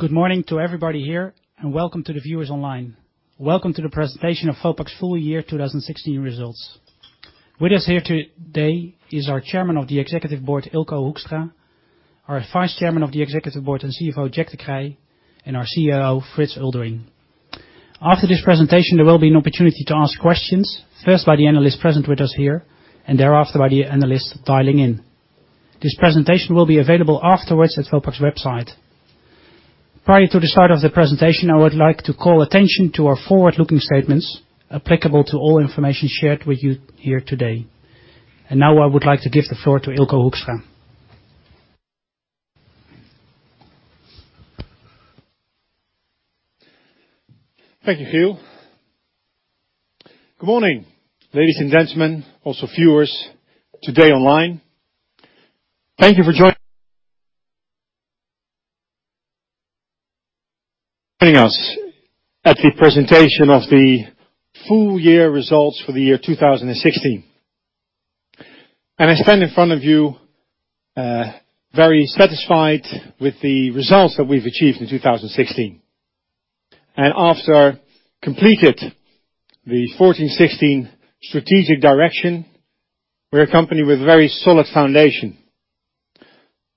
Good morning to everybody here, welcome to the viewers online. Welcome to the presentation of Vopak's full year 2016 results. With us here today is our Chairman of the Executive Board, Eelco Hoekstra, our Vice Chairman of the Executive Board and CFO, Jack de Kreij, and our CEO, Frits Eulderink. After this presentation, there will be an opportunity to ask questions, first by the analysts present with us here, thereafter by the analysts dialing in. This presentation will be available afterwards at vopak.com. Prior to the start of the presentation, I would like to call attention to our forward-looking statements applicable to all information shared with you here today. Now I would like to give the floor to Eelco Hoekstra. Thank you, Giel. Good morning, ladies and gentlemen, also viewers today online. Thank you for joining us at the presentation of the full year results for the year 2016. I stand in front of you very satisfied with the results that we've achieved in 2016. After completed the 2014, 2016 strategic direction, we're a company with very solid foundation.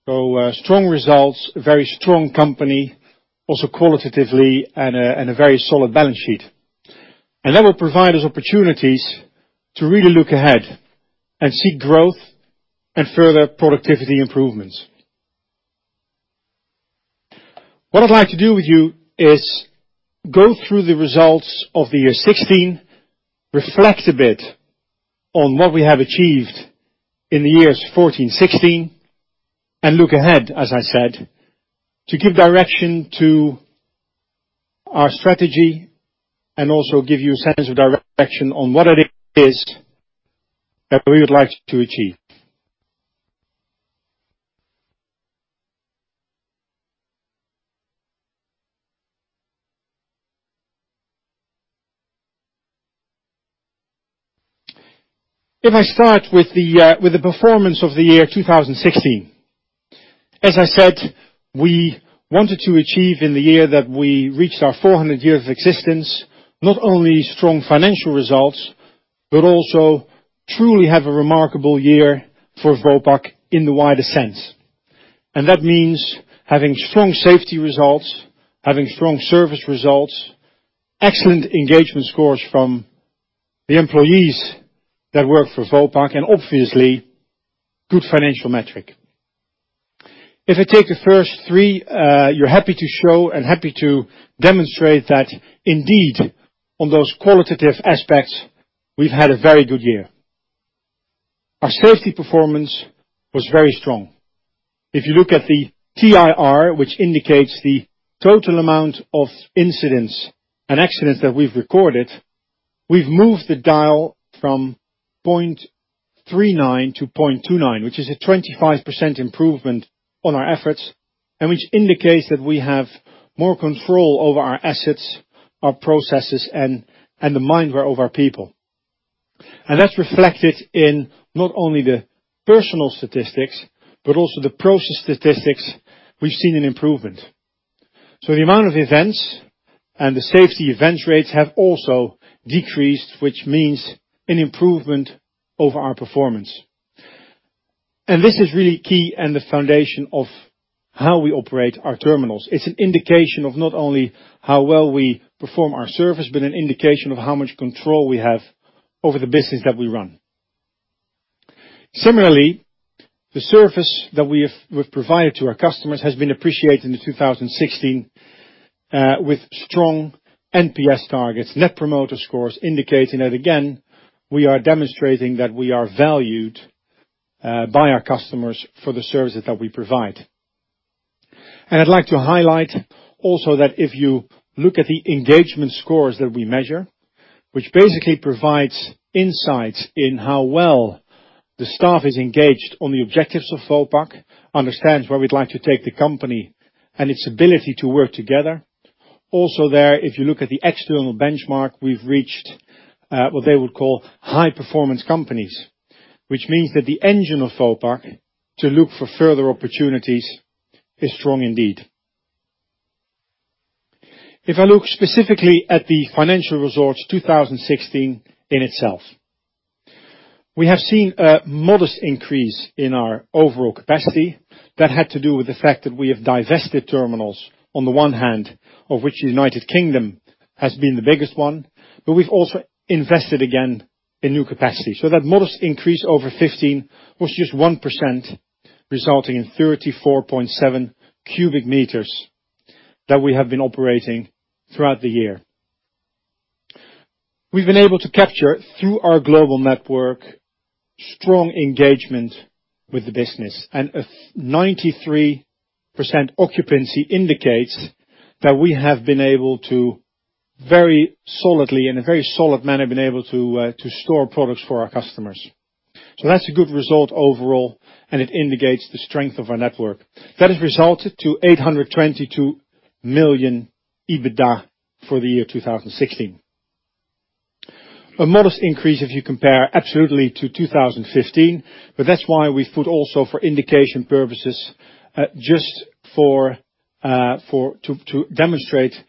Strong results, very strong company, also qualitatively and a very solid balance sheet. That will provide us opportunities to really look ahead and see growth and further productivity improvements. What I'd like to do with you is go through the results of the year 2016, reflect a bit on what we have achieved in the years 2014, 2016, and look ahead, as I said, to give direction to our strategy and also give you a sense of direction on what it is that we would like to achieve. If I start with the performance of the year 2016. As I said, we wanted to achieve in the year that we reached our 400 years of existence, not only strong financial results, but also truly have a remarkable year for Vopak in the wider sense. That means having strong safety results, having strong service results, excellent engagement scores from the employees that work for Vopak, and obviously, good financial metric. If I take the first three, you're happy to show and happy to demonstrate that indeed, on those qualitative aspects, we've had a very good year. Our safety performance was very strong. If you look at the TIR, which indicates the total amount of incidents and accidents that we've recorded, we've moved the dial from 0.39 to 0.29, which is a 25% improvement on our efforts, and which indicates that we have more control over our assets, our processes, and the mind of our people. That's reflected in not only the personal statistics, but also the process statistics, we've seen an improvement. The amount of events and the safety event rates have also decreased, which means an improvement over our performance. This is really key and the foundation of how we operate our terminals. It's an indication of not only how well we perform our service, but an indication of how much control we have over the business that we run. Similarly, the service that we've provided to our customers has been appreciated in 2016, with strong NPS targets, net promoter scores, indicating that, again, we are demonstrating that we are valued by our customers for the services that we provide. I'd like to highlight also that if you look at the engagement scores that we measure, which basically provides insights in how well the staff is engaged on the objectives of Vopak, understands where we'd like to take the company and its ability to work together. Also there, if you look at the external benchmark, we've reached what they would call high performance companies, which means that the engine of Vopak to look for further opportunities is strong indeed. If I look specifically at the financial results 2016 in itself. We have seen a modest increase in our overall capacity. That had to do with the fact that we have divested terminals on the one hand, of which U.K. has been the biggest one, but we've also invested again in new capacity. That modest increase over 15 was just 1%, resulting in 34.7 cubic meters that we have been operating throughout the year. We've been able to capture through our global network, strong engagement with the business, and a 93% occupancy indicates that we have been able to very solidly, in a very solid manner, been able to store products for our customers. That's a good result overall, and it indicates the strength of our network. That has resulted to 822 million EBITDA for the year 2016. A modest increase if you compare absolutely to 2015, but that's why we put also for indication purposes, just to demonstrate that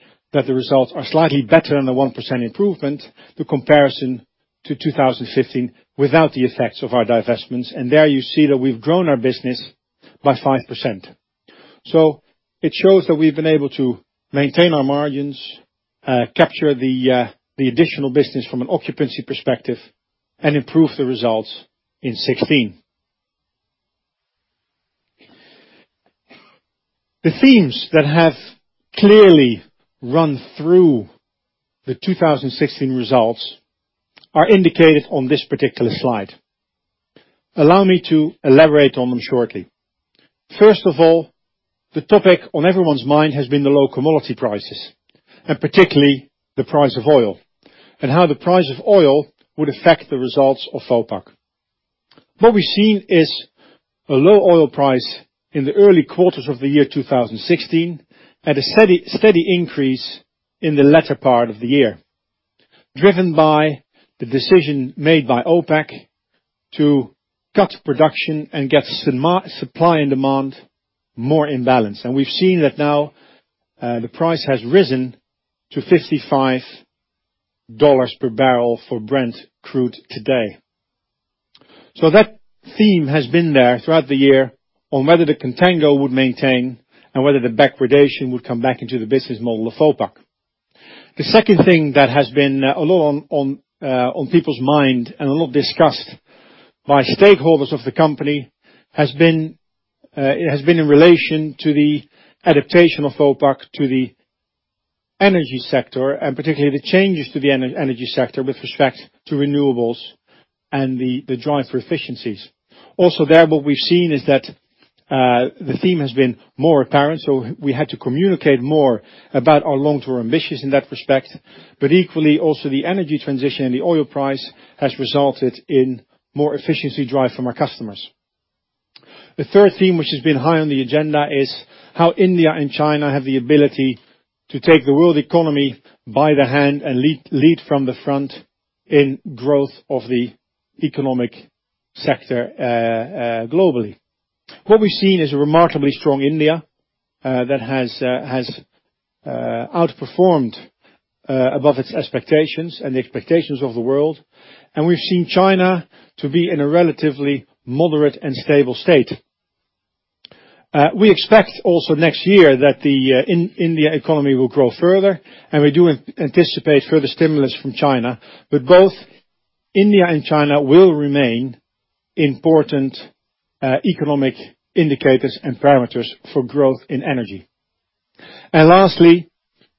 the results are slightly better than the 1% improvement, the comparison to 2015 without the effects of our divestments. There you see that we've grown our business by 5%. It shows that we've been able to maintain our margins, capture the additional business from an occupancy perspective, and improve the results in 2016. The themes that have clearly run through the 2016 results are indicated on this particular slide. Allow me to elaborate on them shortly. First of all, the topic on everyone's mind has been the low commodity prices, and particularly the price of oil, and how the price of oil would affect the results of Vopak. What we've seen is a low oil price in the early quarters of the year 2016, and a steady increase in the latter part of the year, driven by the decision made by OPEC to cut production and get supply and demand more in balance. We've seen that now the price has risen to $55 per barrel for Brent Crude today. That theme has been there throughout the year on whether the contango would maintain and whether the backwardation would come back into the business model of Vopak. The second thing that has been a lot on people's mind, and a lot discussed by stakeholders of the company, has been in relation to the adaptation of Vopak to the energy sector, and particularly the changes to the energy sector with respect to renewables and the drive for efficiencies. There, what we've seen is that the theme has been more apparent, so we had to communicate more about our long-term ambitions in that respect, but equally, the energy transition and the oil price has resulted in more efficiency drive from our customers. The third theme, which has been high on the agenda, is how India and China have the ability to take the world economy by the hand and lead from the front in growth of the economic sector globally. What we've seen is a remarkably strong India, that has outperformed above its expectations and the expectations of the world. We've seen China to be in a relatively moderate and stable state. We expect also next year that the India economy will grow further, and we do anticipate further stimulus from China, but both India and China will remain important economic indicators and parameters for growth in energy. Lastly,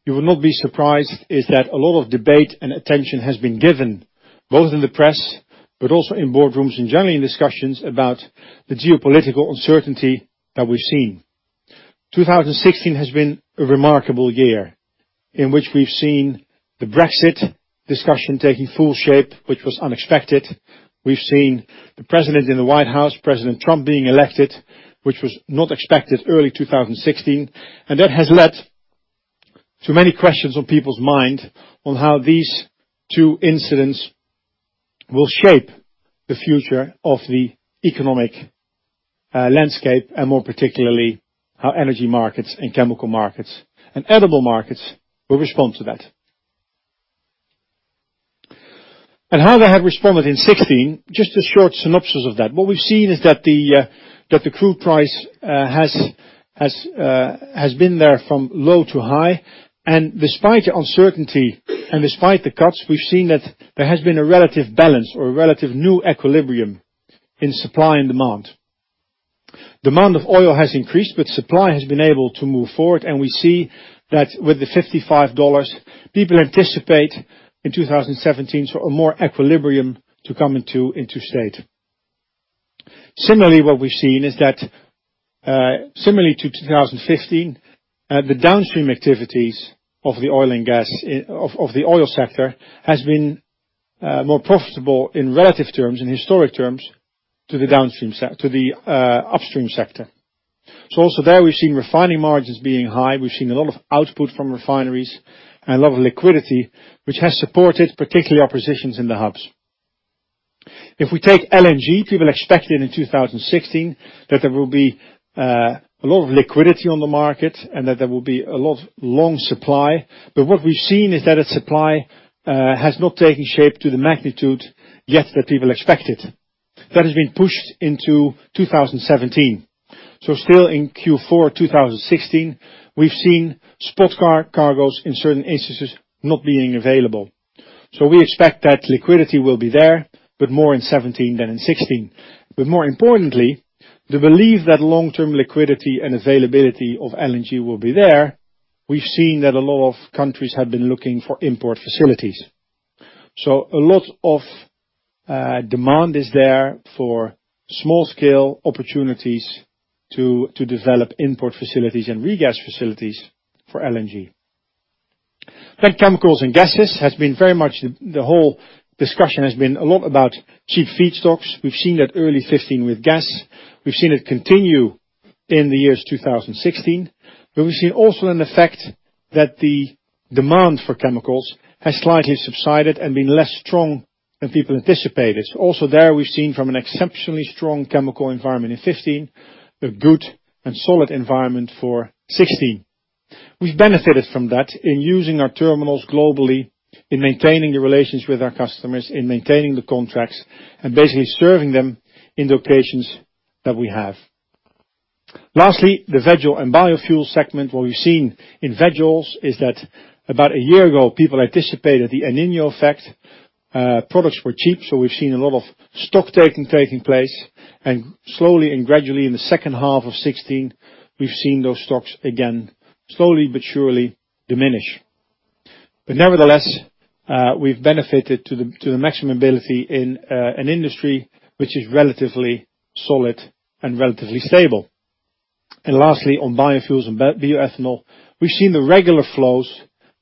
you will not be surprised is that a lot of debate and attention has been given, both in the press, but also in boardrooms and generally in discussions about the geopolitical uncertainty that we've seen. 2016 has been a remarkable year in which we've seen the Brexit discussion taking full shape, which was unexpected. We've seen the president in the White House, President Trump, being elected, which was not expected early 2016. That has led to many questions on people's mind on how these two incidents will shape the future of the economic landscape, and more particularly, how energy markets and chemical markets and edible markets will respond to that. How they have responded in 2016, just a short synopsis of that. What we've seen is that the crude price has been there from low to high. Despite the uncertainty and despite the cuts, we've seen that there has been a relative balance or a relative new equilibrium in supply and demand. Demand of oil has increased, but supply has been able to move forward, and we see that with the $55, people anticipate in 2017 a more equilibrium to come into state. Similarly, what we've seen is that similarly to 2015, the downstream activities of the oil sector has been more profitable in relative terms, in historic terms, to the upstream sector. Also there we've seen refining margins being high. We've seen a lot of output from refineries and a lot of liquidity, which has supported particularly our positions in the hubs. If we take LNG, people expected in 2016 that there will be a lot of liquidity on the market and that there will be a lot of long supply. What we've seen is that its supply has not taken shape to the magnitude yet that people expected. That has been pushed into 2017. Still in Q4 2016, we've seen spot cargoes in certain instances not being available. We expect that liquidity will be there, but more in 2017 than in 2016. More importantly, the belief that long-term liquidity and availability of LNG will be there, we've seen that a lot of countries have been looking for import facilities. A lot of demand is there for small scale opportunities to develop import facilities and regas facilities for LNG. Chemicals and gases has been very much the whole discussion has been a lot about cheap feedstocks. We've seen that early 2015 with gas. We've seen it continue in the years 2016, where we've seen also an effect that the demand for chemicals has slightly subsided and been less strong than people anticipated. Also there, we've seen from an exceptionally strong chemical environment in 2015, a good and solid environment for 2016. We've benefited from that in using our terminals globally, in maintaining the relations with our customers, in maintaining the contracts, and basically serving them in locations that we have. Lastly, the vegoil and biofuel segment. What we've seen in vegoils is that about a year ago, people anticipated the El Niño effect. Products were cheap, we've seen a lot of stock taking place, and slowly and gradually in the second half of 2016, we've seen those stocks again, slowly but surely diminish. Nevertheless, we've benefited to the maximum ability in an industry which is relatively solid and relatively stable. Lastly, on biofuels and bioethanol, we've seen the regular flows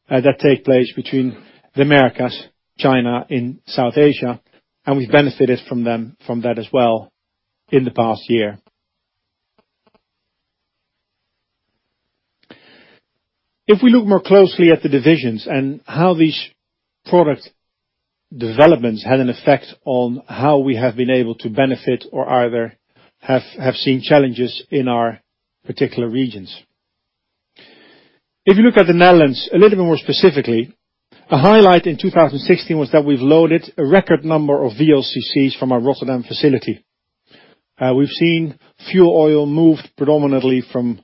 that take place between the Americas, China, and South Asia, and we've benefited from that as well in the past year. If we look more closely at the divisions and how these product developments had an effect on how we have been able to benefit or either have seen challenges in our particular regions. If you look at the Netherlands, a little bit more specifically, a highlight in 2016 was that we've loaded a record number of VLCCs from our Rotterdam facility. We've seen fuel oil moved predominantly from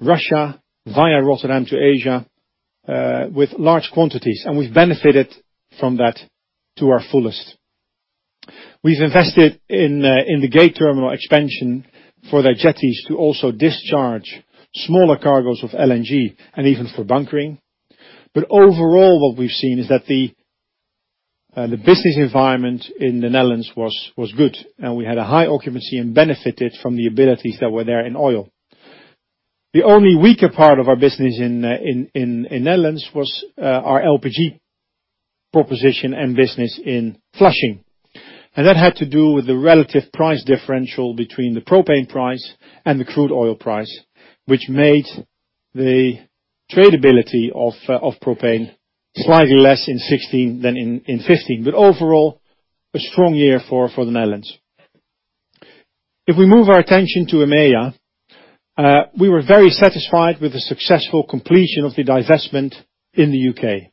Russia via Rotterdam to Asia, with large quantities, and we've benefited from that to our fullest. We've invested in the Gate terminal expansion for their jetties to also discharge smaller cargos of LNG and even for bunkering. Overall, what we've seen is that the business environment in the Netherlands was good, and we had a high occupancy and benefited from the abilities that were there in oil. The only weaker part of our business in the Netherlands was our LPG proposition and business in Flushing. That had to do with the relative price differential between the propane price and the crude oil price, which made the tradability of propane slightly less in 2016 than in 2015. Overall, a strong year for the Netherlands. If we move our attention to EMEA, we were very satisfied with the successful completion of the divestment in the U.K.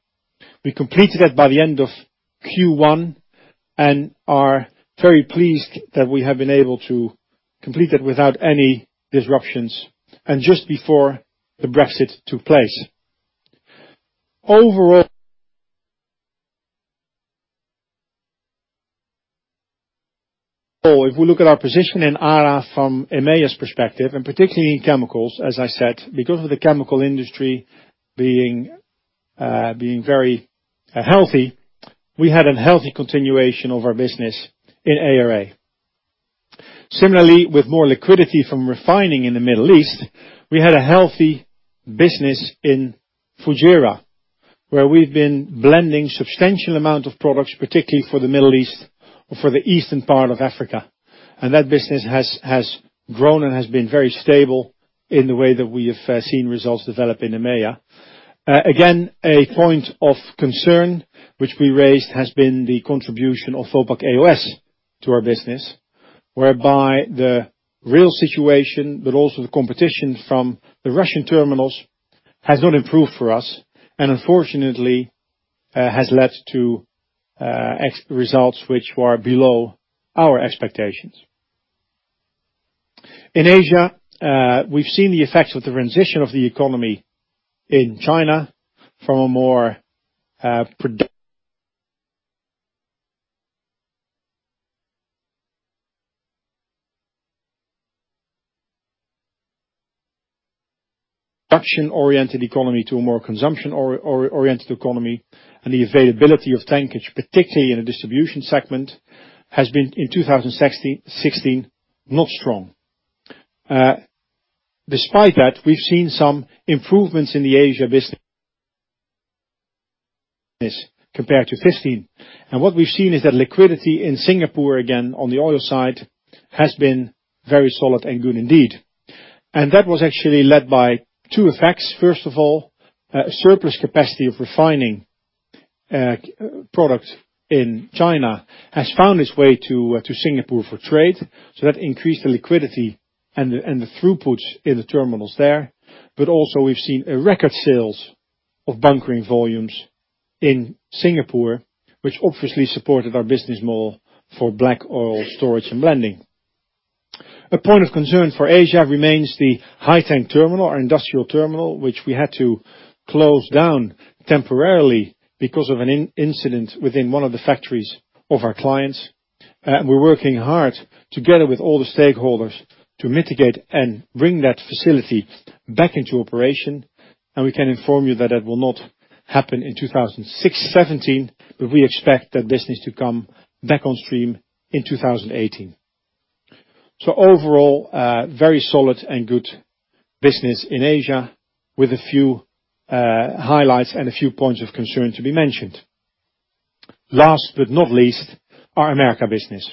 We completed that by the end of Q1 and are very pleased that we have been able to complete it without any disruptions and just before the Brexit took place. Overall, if we look at our position in ARA from EMEA's perspective, and particularly in chemicals, as I said, because of the chemical industry being very healthy, we had a healthy continuation of our business in ARA. Similarly, with more liquidity from refining in the Middle East, we had a healthy business in Fujairah, where we've been blending substantial amount of products, particularly for the Middle East or for the eastern part of Africa. That business has grown and has been very stable in the way that we have seen results develop in EMEA. A point of concern which we raised has been the contribution of Vopak E.O.S. to our business, whereby the real situation, but also the competition from the Russian terminals, has not improved for us, and unfortunately, has led to results which were below our expectations. In Asia, we've seen the effects of the transition of the economy in China from a more production-oriented economy to a more consumption-oriented economy, the availability of tankage, particularly in the distribution segment, has been, in 2016, not strong. Despite that, we've seen some improvements in the Asia business compared to 2015. What we've seen is that liquidity in Singapore, again, on the oil side, has been very solid and good indeed. That was actually led by two effects. First of all, surplus capacity of refining products in China has found its way to Singapore for trade. That increased the liquidity and the throughput in the terminals there. Also we've seen a record sales of bunkering volumes in Singapore, which obviously supported our business more for black oil storage and blending. A point of concern for Asia remains the Haiteng Terminal, our industrial terminal, which we had to close down temporarily because of an incident within one of the factories of our clients. We're working hard together with all the stakeholders to mitigate and bring that facility back into operation, we can inform you that that will not happen in 2017, we expect that this is to come back on stream in 2018. Overall, very solid and good business in Asia with a few highlights and a few points of concern to be mentioned. Last but not least, our America business.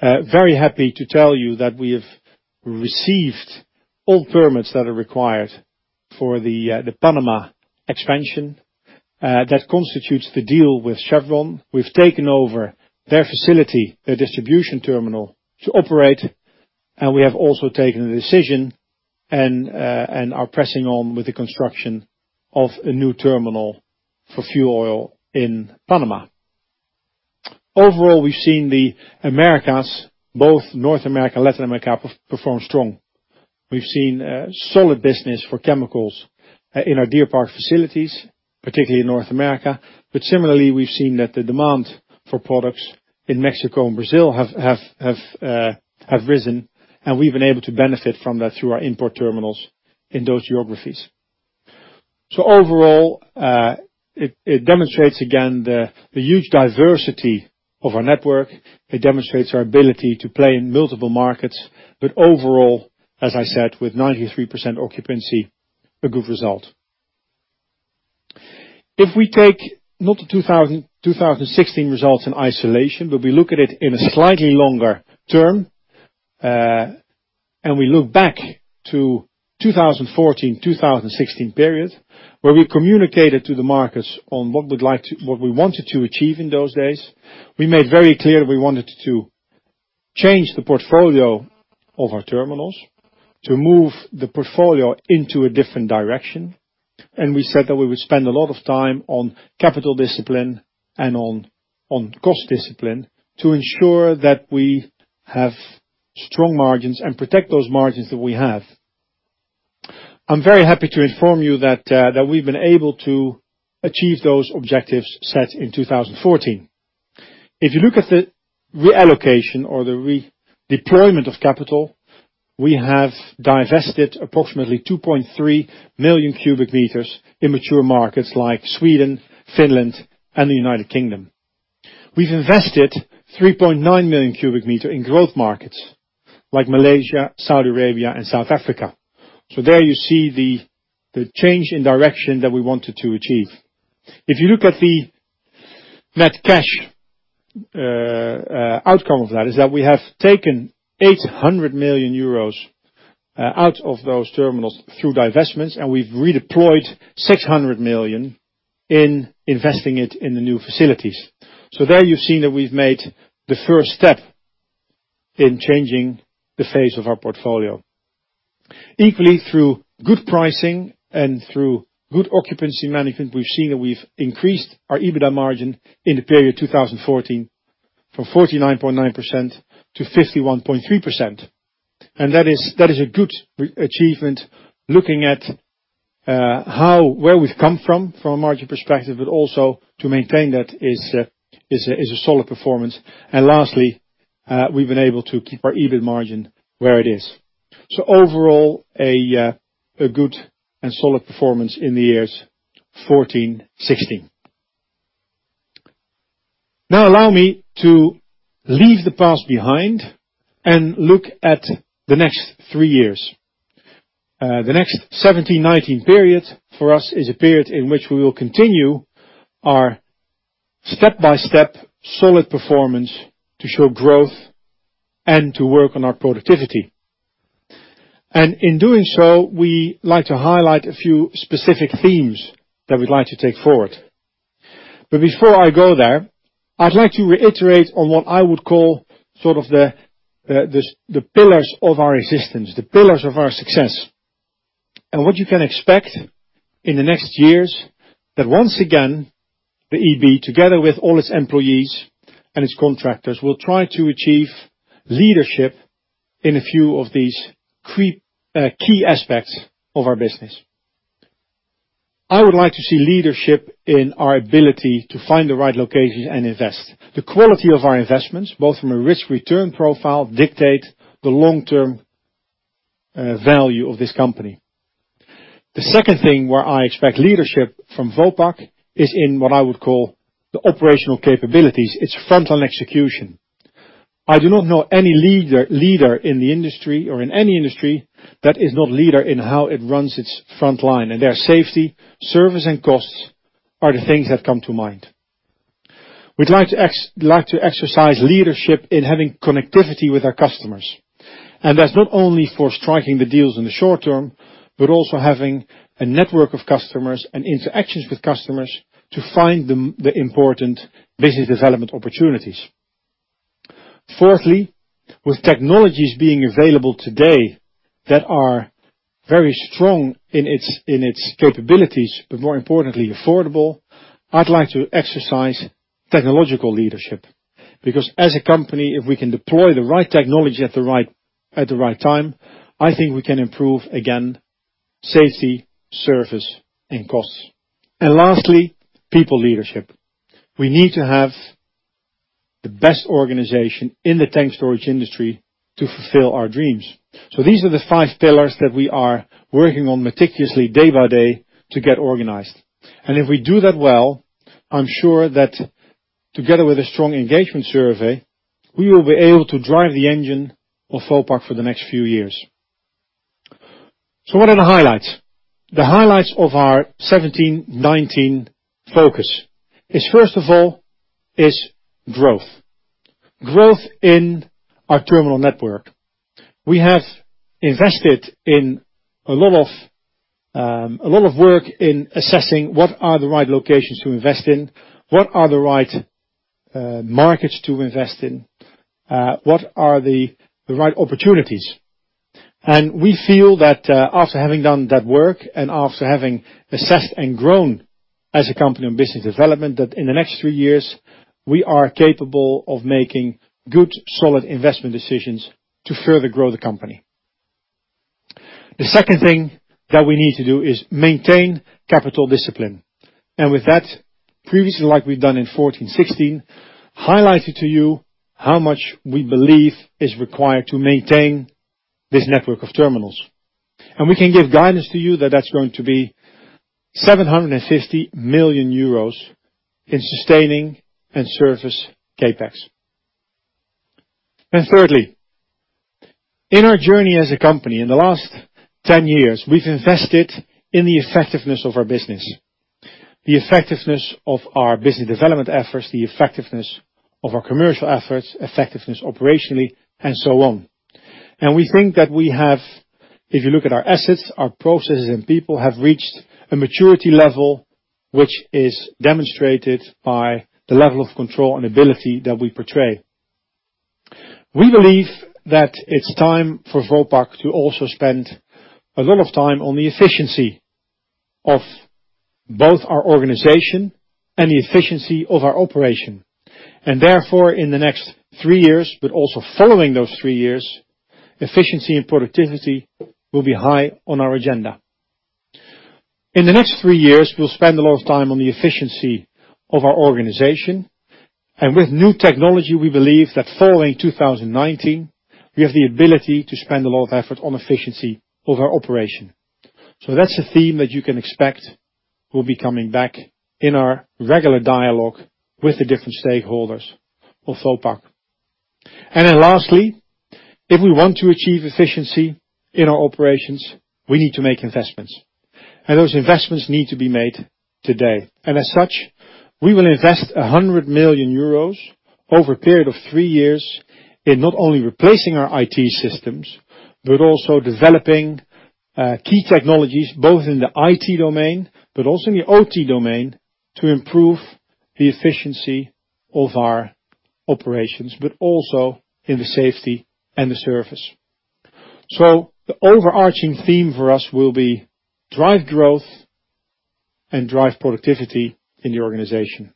Very happy to tell you that we have received all permits that are required for the Panama expansion. That constitutes the deal with Chevron. We've taken over their facility, their distribution terminal to operate, we have also taken the decision and are pressing on with the construction of a new terminal for fuel oil in Panama. Overall, we've seen the Americas, both North America and Latin America, perform strong. We've seen solid business for chemicals in our Deer Park facilities, particularly in North America. Similarly, we've seen that the demand for products in Mexico and Brazil have risen, we've been able to benefit from that through our import terminals in those geographies. Overall, it demonstrates again the huge diversity of our network. It demonstrates our ability to play in multiple markets. Overall, as I said, with 93% occupancy, a good result. If we take not the 2016 results in isolation, we look at it in a slightly longer term, we look back to 2014, 2016 period, where we communicated to the markets on what we wanted to achieve in those days. We made very clear we wanted to change the portfolio of our terminals to move the portfolio into a different direction. We said that we would spend a lot of time on capital discipline and on cost discipline to ensure that we have strong margins and protect those margins that we have. I'm very happy to inform you that we've been able to achieve those objectives set in 2014. If you look at the reallocation or the redeployment of capital, we have divested approximately 2.3 million cubic meters in mature markets like Sweden, Finland, and the United Kingdom. We've invested 3.9 million cubic meter in growth markets like Malaysia, Saudi Arabia, and South Africa. There you see the change in direction that we wanted to achieve. If you look at the net cash outcome of that is that we have taken 800 million euros out of those terminals through divestments, and we've redeployed 600 million in investing it in the new facilities. There you've seen that we've made the first step in changing the face of our portfolio. Equally, through good pricing and through good occupancy management, we've seen that we've increased our EBITDA margin in the period 2014 from 49.9% to 51.3%. That is a good achievement looking at where we've come from a margin perspective, but also to maintain that is a solid performance. Lastly, we've been able to keep our EBIT margin where it is. Overall, a good and solid performance in the years 2014, 2016. Now allow me to leave the past behind and look at the next three years. The next 2017, 2019 period for us is a period in which we will continue our step-by-step solid performance to show growth and to work on our productivity. In doing so, we like to highlight a few specific themes that we'd like to take forward. Before I go there, I'd like to reiterate on what I would call sort of the pillars of our existence, the pillars of our success. What you can expect in the next years, that once again, the EB, together with all its employees and its contractors, will try to achieve leadership in a few of these key aspects of our business. I would like to see leadership in our ability to find the right locations and invest. The quality of our investments, both from a risk return profile, dictate the long-term value of this company. The second thing where I expect leadership from Vopak is in what I would call the operational capabilities, its front line execution. I do not know any leader in the industry or in any industry that is not leader in how it runs its front line, and their safety, service, and costs are the things that come to mind. We'd like to exercise leadership in having connectivity with our customers. That's not only for striking the deals in the short term, but also having a network of customers and interactions with customers to find the important business development opportunities. Fourthly, with technologies being available today that are very strong in its capabilities, but more importantly, affordable, I'd like to exercise technological leadership, because as a company, if we can deploy the right technology at the right time, I think we can improve, again, safety, service, and costs. Lastly, people leadership. We need to have the best organization in the tank storage industry to fulfill our dreams. These are the five pillars that we are working on meticulously day by day to get organized. If we do that well, I'm sure that together with a strong engagement survey, we will be able to drive the engine of Vopak for the next few years. What are the highlights? The highlights of our 2017, 2019 focus is, first of all, is growth. Growth in our terminal network. We have invested in a lot of work in assessing what are the right locations to invest in, what are the right markets to invest in, what are the right opportunities. We feel that, after having done that work and after having assessed and grown as a company on business development, that in the next 3 years, we are capable of making good, solid investment decisions to further grow the company. The second thing that we need to do is maintain capital discipline. With that, previously, like we've done in 2014, 2016, highlighted to you how much we believe is required to maintain this network of terminals. We can give guidance to you that that's going to be 750 million euros in sustaining and service CapEx. Thirdly, in our journey as a company in the last 10 years, we've invested in the effectiveness of our business, the effectiveness of our business development efforts, the effectiveness of our commercial efforts, effectiveness operationally, and so on. We think that we have, if you look at our assets, our processes and people have reached a maturity level, which is demonstrated by the level of control and ability that we portray. We believe that it's time for Vopak to also spend a lot of time on the efficiency of both our organization and the efficiency of our operation, therefore, in the next 3 years, but also following those 3 years, efficiency and productivity will be high on our agenda. In the next 3 years, we'll spend a lot of time on the efficiency of our organization, and with new technology, we believe that following 2019, we have the ability to spend a lot of effort on efficiency of our operation. That's a theme that you can expect will be coming back in our regular dialogue with the different stakeholders of Vopak. Lastly, if we want to achieve efficiency in our operations, we need to make investments, and those investments need to be made today. We will invest 100 million euros over a period of 3 years in not only replacing our IT systems but also developing key technologies both in the IT domain but also in the OT domain to improve the efficiency of our operations, but also in the safety and the service. The overarching theme for us will be drive growth and drive productivity in the organization.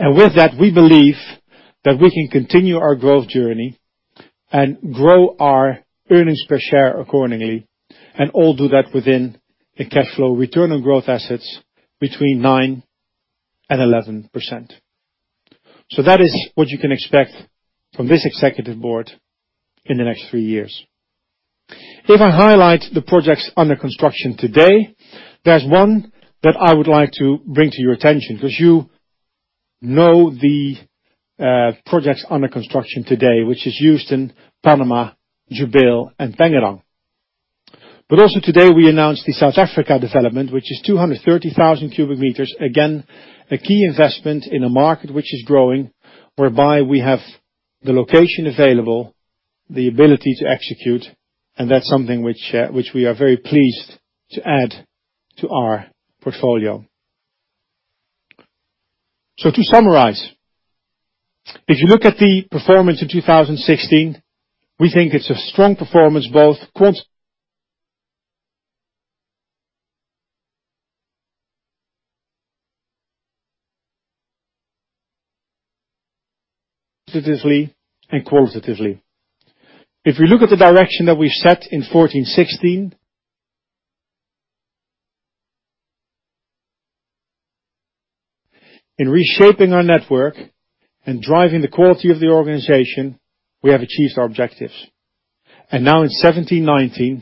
With that, we believe that we can continue our growth journey and grow our earnings per share accordingly, and all do that within a cash flow return on growth assets between 9% and 11%. That is what you can expect from this executive board in the next 3 years. If I highlight the projects under construction today, there's one that I would like to bring to your attention because you know the projects under construction today, which is Houston, Panama, Jubail, and Tangerang. Also today, we announced the South Africa development, which is 230,000 cubic meters. Again, a key investment in a market which is growing, whereby we have the location available, the ability to execute, and that's something which we are very pleased to add to our portfolio. To summarize, if you look at the performance in 2016, we think it is a strong performance both quantitatively and qualitatively. If we look at the direction that we have set in 2014, 2016, in reshaping our network and driving the quality of the organization, we have achieved our objectives. Now in 2017, 2019,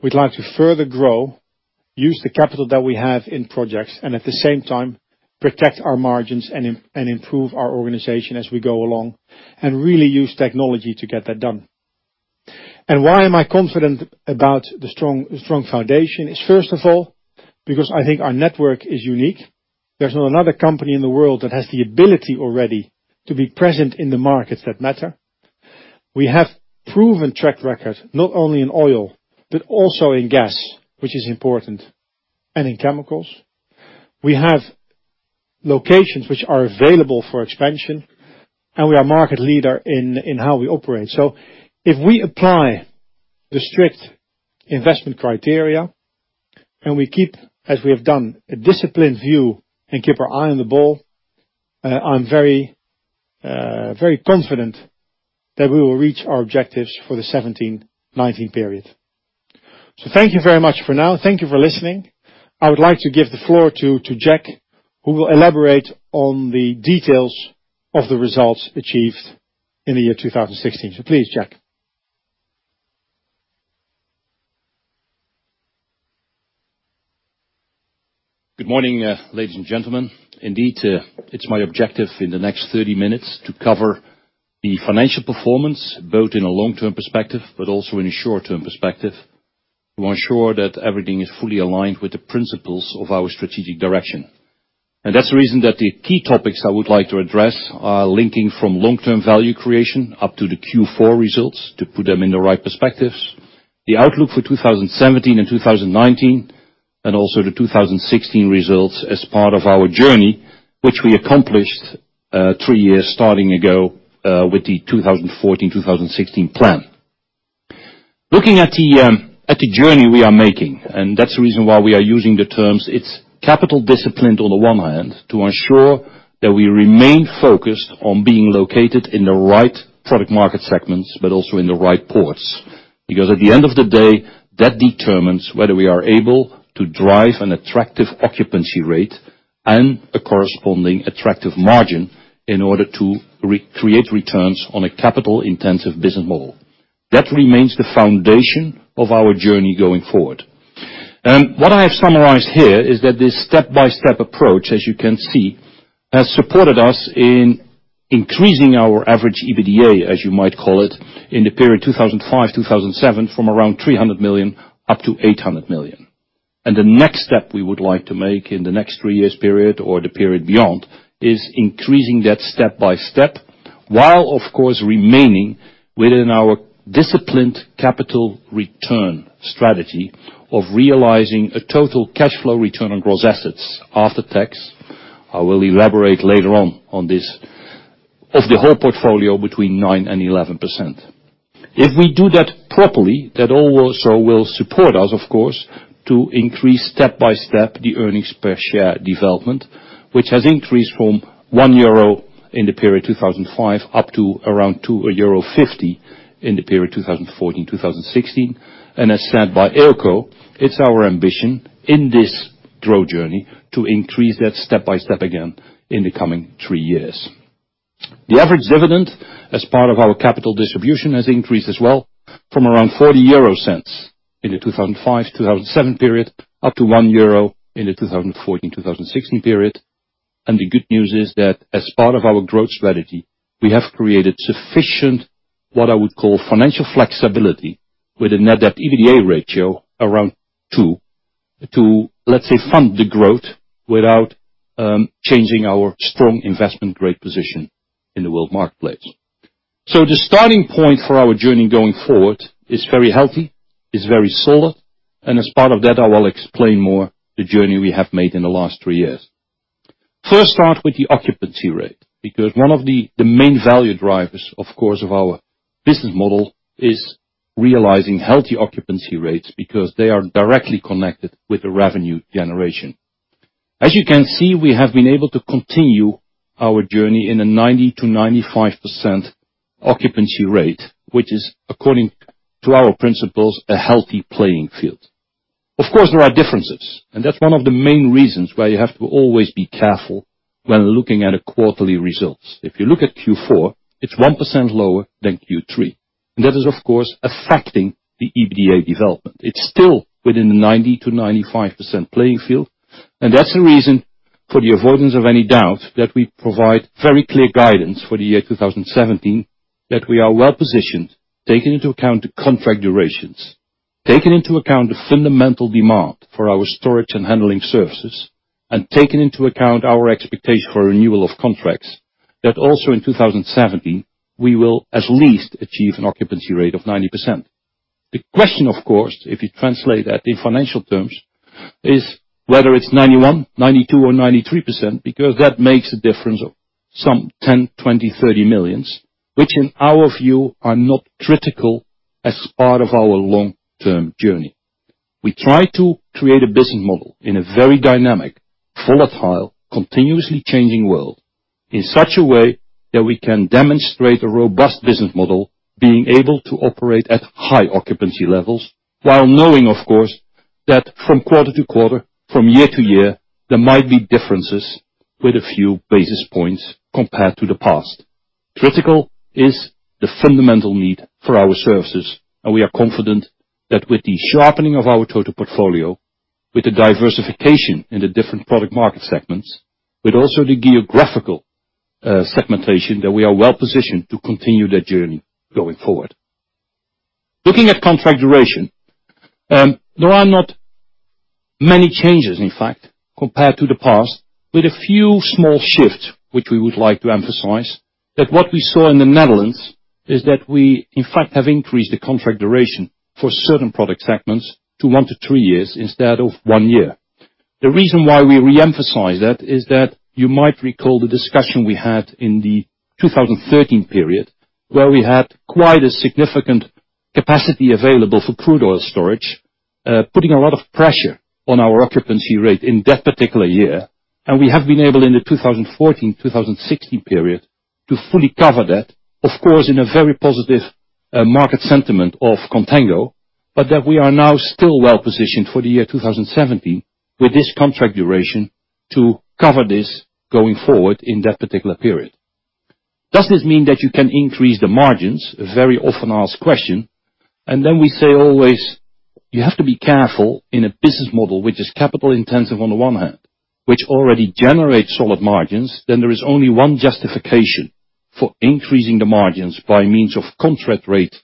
we would like to further grow, use the capital that we have in projects, and at the same time, protect our margins and improve our organization as we go along and really use technology to get that done. Why am I confident about the strong foundation? It is, first of all, because I think our network is unique. There is not another company in the world that has the ability already to be present in the markets that matter. We have proven track record, not only in oil, but also in gas, which is important, and in chemicals. We have locations which are available for expansion, and we are a market leader in how we operate. If we apply the strict investment criteria and we keep, as we have done, a disciplined view and keep our eye on the ball, I am very confident that we will reach our objectives for the 2017, 2019 period. Thank you very much for now. Thank you for listening. I would like to give the floor to Jack, who will elaborate on the details of the results achieved in the year 2016. Please, Jack. Good morning, ladies and gentlemen. Indeed, it is my objective in the next 30 minutes to cover the financial performance, both in a long-term perspective, but also in a short-term perspective, to ensure that everything is fully aligned with the principles of our strategic direction. That is the reason that the key topics I would like to address are linking from long-term value creation up to the Q4 results, to put them in the right perspectives, the outlook for 2017 and 2019, and also the 2016 results as part of our journey, which we accomplished three years starting ago with the 2014-2016 plan. Looking at the journey we are making, and that is the reason why we are using the terms, it is capital discipline on the one hand to ensure that we remain focused on being located in the right product market segments, but also in the right ports. Because at the end of the day, that determines whether we are able to drive an attractive occupancy rate and a corresponding attractive margin in order to create returns on a capital-intensive business model. That remains the foundation of our journey going forward. What I have summarized here is that this step-by-step approach, as you can see, has supported us in increasing our average EBITDA, as you might call it, in the period 2005 to 2007, from around 300 million up to 800 million. The next step we would like to make in the next three years period or the period beyond, is increasing that step-by-step, while of course, remaining within our disciplined capital return strategy of realizing a total cash flow return on gross assets after tax. I will elaborate later on this, of the whole portfolio between 9% and 11%. If we do that properly, that also will support us, of course, to increase step-by-step the earnings per share development, which has increased from 1 euro in the period 2005, up to around 2.50 euro in the period 2014 to 2016. As said by Eelco, it's our ambition in this growth journey to increase that step-by-step again in the coming three years. The average dividend as part of our capital distribution has increased as well from around 0.40 in the 2005-2007 period, up to 1 euro in the 2014-2016 period. The good news is that as part of our growth strategy, we have created sufficient, what I would call financial flexibility with a net debt EBITDA ratio around two to, let's say, fund the growth without changing our strong investment grade position in the world marketplace. The starting point for our journey going forward is very healthy, is very solid, and as part of that, I will explain more the journey we have made in the last three years. First, start with the occupancy rate, because one of the main value drivers, of course, of our business model is realizing healthy occupancy rates because they are directly connected with the revenue generation. As you can see, we have been able to continue our journey in a 90%-95% occupancy rate, which is, according to our principles, a healthy playing field. Of course, there are differences, that's one of the main reasons why you have to always be careful when looking at a quarterly results. If you look at Q4, it's 1% lower than Q3. That is, of course, affecting the EBITDA development. It's still within the 90%-95% playing field, that's the reason for the avoidance of any doubt that we provide very clear guidance for the year 2017 that we are well positioned, taking into account the contract durations, taking into account the fundamental demand for our storage and handling services, and taking into account our expectation for renewal of contracts, that also in 2017, we will at least achieve an occupancy rate of 90%. The question, of course, if you translate that in financial terms, is whether it's 91%, 92% or 93%, because that makes a difference of some 10 million, 20 million, 30 million, which in our view are not critical as part of our long-term journey. We try to create a business model in a very dynamic, volatile, continuously changing world in such a way that we can demonstrate a robust business model being able to operate at high occupancy levels while knowing, of course, that from quarter to quarter, from year to year, there might be differences with a few basis points compared to the past. Critical is the fundamental need for our services, we are confident that with the sharpening of our total portfolio, with the diversification in the different product market segments, with also the geographical segmentation, that we are well positioned to continue that journey going forward. Looking at contract duration, there are not many changes, in fact, compared to the past, with a few small shifts, which we would like to emphasize, that what we saw in the Netherlands is that we, in fact, have increased the contract duration for certain product segments to one to three years instead of one year. The reason why we reemphasize that is that you might recall the discussion we had in the 2013 period, where we had quite a significant capacity available for crude oil storage, putting a lot of pressure on our occupancy rate in that particular year. We have been able, in the 2014-2016 period, to fully cover that, of course, in a very positive market sentiment of contango, but that we are now still well positioned for the year 2017 with this contract duration to cover this going forward in that particular period. Does this mean that you can increase the margins? A very often asked question. Then we say always, you have to be careful in a business model which is capital intensive on the one hand, which already generates solid margins, then there is only one justification for increasing the margins by means of contract rate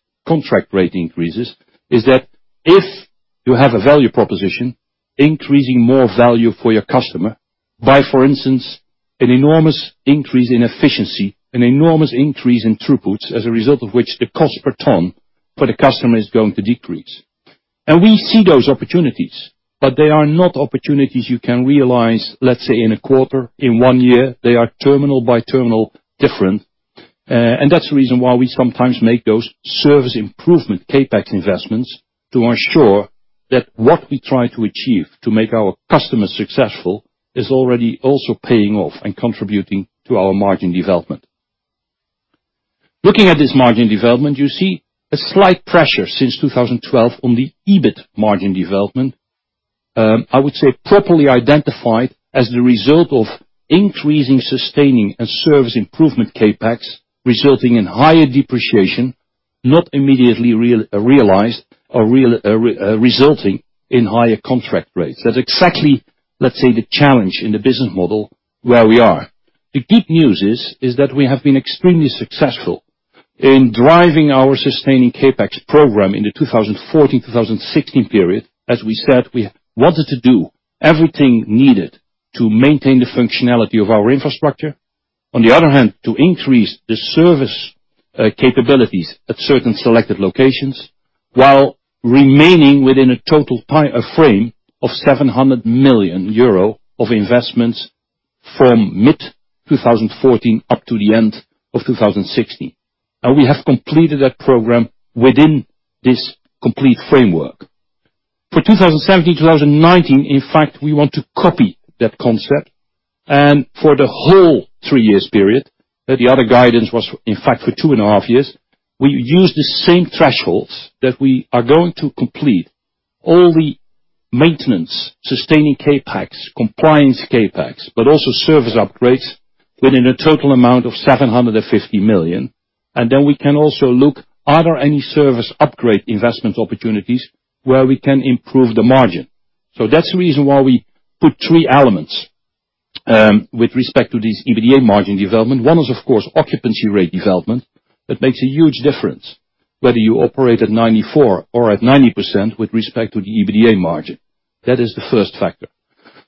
increases, is that if you have a value proposition, increasing more value for your customer by, for instance, an enormous increase in efficiency, an enormous increase in throughput, as a result of which the cost per ton for the customer is going to decrease. We see those opportunities, but they are not opportunities you can realize, let's say, in a quarter, in one year. They are terminal by terminal different. That's the reason why we sometimes make those service improvement CapEx investments to ensure that what we try to achieve to make our customers successful is already also paying off and contributing to our margin development. Looking at this margin development, you see a slight pressure since 2012 on the EBIT margin development. I would say properly identified as the result of increasing sustaining and service improvement CapEx, resulting in higher depreciation, not immediately realized or resulting in higher contract rates. That's exactly, let's say, the challenge in the business model where we are. The good news is that we have been extremely successful in driving our sustaining CapEx program in the 2014-2016 period. As we said, we wanted to do everything needed to maintain the functionality of our infrastructure. On the other hand, to increase the service capabilities at certain selected locations, while remaining within a total frame of 700 million euro of investments from mid-2014 up to the end of 2016. We have completed that program within this complete framework. For 2017, 2019, in fact, we want to copy that concept. For the whole three years period, the other guidance was, in fact, for two and a half years, we use the same thresholds that we are going to complete all the maintenance, sustaining CapEx, compliance CapEx, but also service upgrades within a total amount of 750 million. Then we can also look, are there any service upgrade investment opportunities where we can improve the margin? That's the reason why we put three elements with respect to this EBITDA margin development. One is, of course, occupancy rate development. That makes a huge difference, whether you operate at 94% or at 90% with respect to the EBITDA margin. That is the first factor.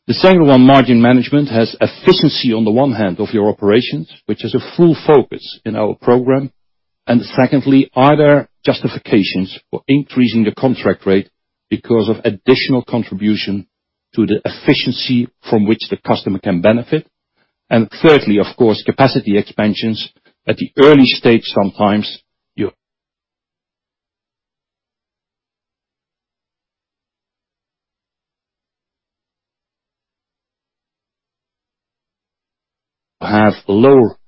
Secondly, margin management, has efficiency on the one hand of your operations, which is a full focus in our program. And secondly, are there justifications for increasing the contract rate because of additional contribution to the efficiency from which the customer can benefit? Thirdly, of course, capacity expansions at the early stage sometimes you have lower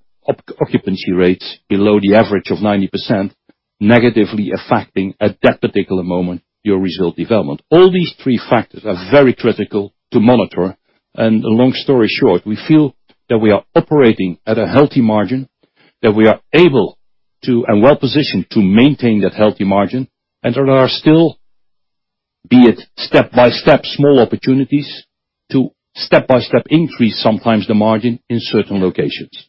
occupancy rates below the average of 90% negatively affecting at that particular moment, your result development. All these three factors are very critical to monitor. A long story short, we feel that we are operating at a healthy margin, that we are able to, and well-positioned to maintain that healthy margin, there are still, be it step-by-step, small opportunities to step-by-step increase sometimes the margin in certain locations.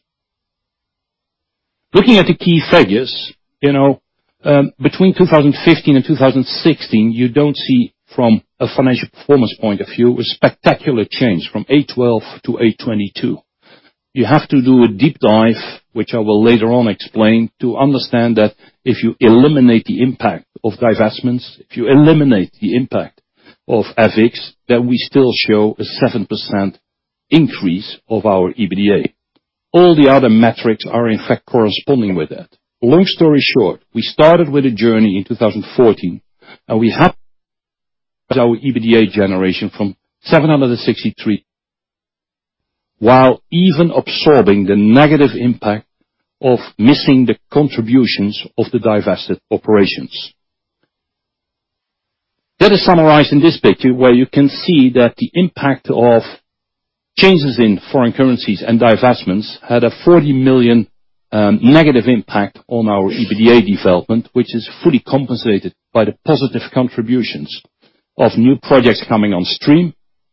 Looking at the key figures, between 2015 and 2016, you don't see from a financial performance point of view, a spectacular change from 812 to 822. You have to do a deep dive, which I will later on explain, to understand that if you eliminate the impact of divestments, if you eliminate the impact of AVICS, that we still show a 7% increase of our EBITDA. All the other metrics are, in fact, corresponding with that. Long story short, we started with a journey in 2014, we our EBITDA generation from 763, while even absorbing the negative impact of missing the contributions of the divested operations. That is summarized in this picture where you can see that the impact of changes in foreign currencies and divestments had a 40 million negative impact on our EBITDA development, which is fully compensated by the positive contributions of new projects coming on stream,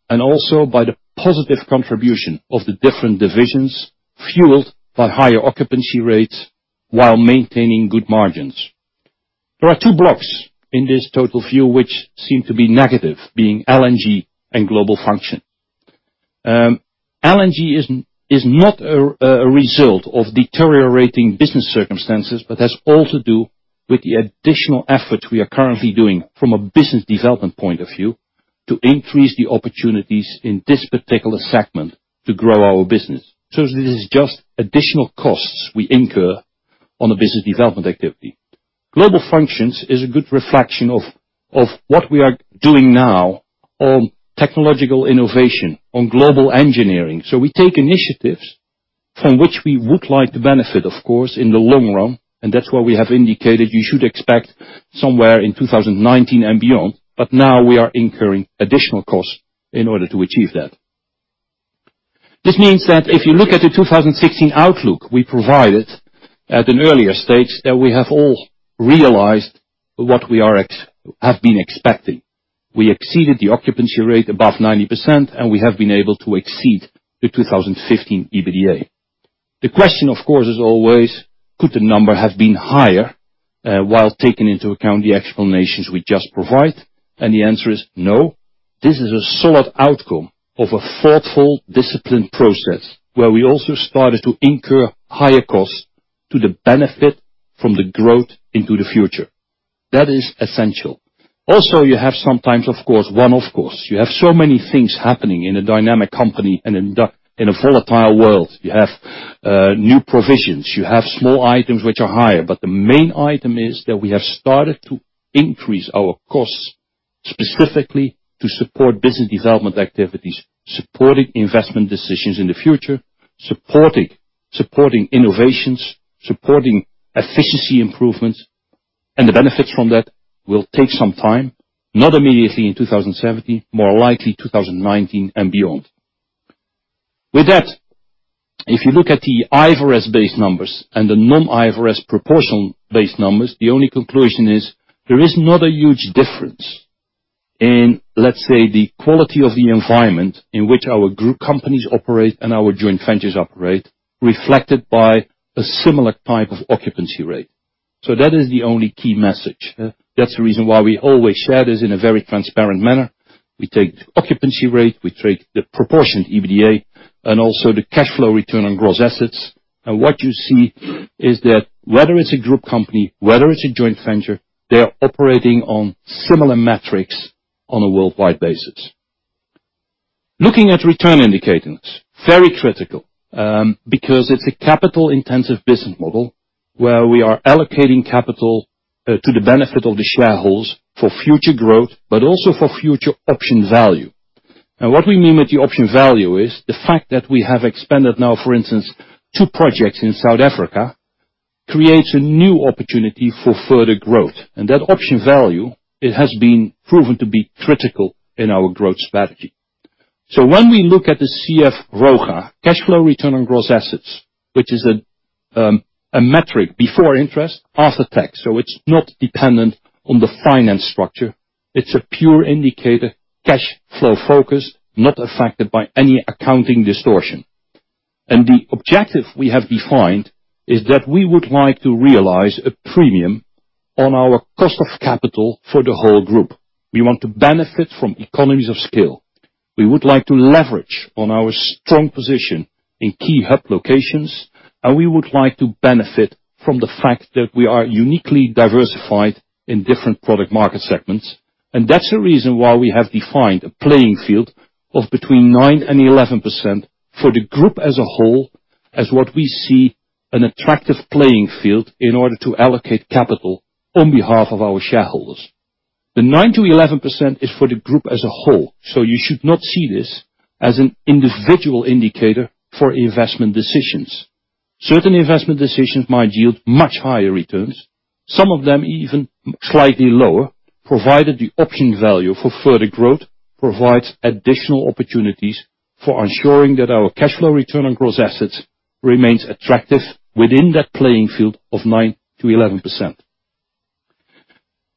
and also by the positive contribution of the different divisions, fueled by higher occupancy rates while maintaining good margins. There are two blocks in this total view which seem to be negative, being LNG and Global Function. LNG is not a result of deteriorating business circumstances, has all to do with the additional efforts we are currently doing from a business development point of view to increase the opportunities in this particular segment to grow our business. This is just additional costs we incur on the business development activity. Global functions is a good reflection of what we are doing now on technological innovation, on global engineering. We take initiatives from which we would like to benefit, of course, in the long run, that's why we have indicated you should expect somewhere in 2019 and beyond, now we are incurring additional costs in order to achieve that. This means that if you look at the 2016 outlook we provided at an earlier stage, that we have all realized what we have been expecting. We exceeded the occupancy rate above 90%, and we have been able to exceed the 2015 EBITDA. The question, of course, is always, could the number have been higher, while taking into account the explanations we just provide? The answer is no. This is a solid outcome of a thoughtful, disciplined process where we also started to incur higher costs to the benefit from the growth into the future. That is essential. Also, you have sometimes, of course, one-offs. You have so many things happening in a dynamic company and in a volatile world. You have new provisions. You have small items which are higher. The main item is that we have started to increase our costs, specifically to support business development activities, supporting investment decisions in the future, supporting innovations, supporting efficiency improvements, and the benefits from that will take some time, not immediately in 2017, more likely 2019 and beyond. With that, if you look at the IFRS base numbers and the non-IFRS proportional base numbers, the only conclusion is there is not a huge difference in, let's say, the quality of the environment in which our group companies operate and our joint ventures operate, reflected by a similar type of occupancy rate. That is the only key message. That's the reason why we always share this in a very transparent manner. We take the occupancy rate, we take the proportion EBITDA, and also the cash flow return on gross assets. What you see is that whether it's a group company, whether it's a joint venture, they are operating on similar metrics on a worldwide basis. Looking at return indicators, very critical, because it's a capital-intensive business model where we are allocating capital to the benefit of the shareholders for future growth, but also for future option value. Now, what we mean with the option value is the fact that we have expanded now, for instance, two projects in South Africa, creates a new opportunity for further growth. That option value, it has been proven to be critical in our growth strategy. When we look at the CF ROGA, cash flow return on gross assets, which is a metric before interest, after tax. It's not dependent on the finance structure. It's a pure indicator, cash flow focused, not affected by any accounting distortion. The objective we have defined is that we would like to realize a premium on our cost of capital for the whole group. We want to benefit from economies of scale. We would like to leverage on our strong position in key hub locations, and we would like to benefit from the fact that we are uniquely diversified in different product market segments. That's the reason why we have defined a playing field of between 9%-11% for the group as a whole as what we see an attractive playing field in order to allocate capital on behalf of our shareholders. The 9%-11% is for the group as a whole. You should not see this as an individual indicator for investment decisions. Certain investment decisions might yield much higher returns, some of them even slightly lower, provided the option value for further growth provides additional opportunities for ensuring that our Cash Flow Return on Gross Assets remains attractive within that playing field of 9%-11%.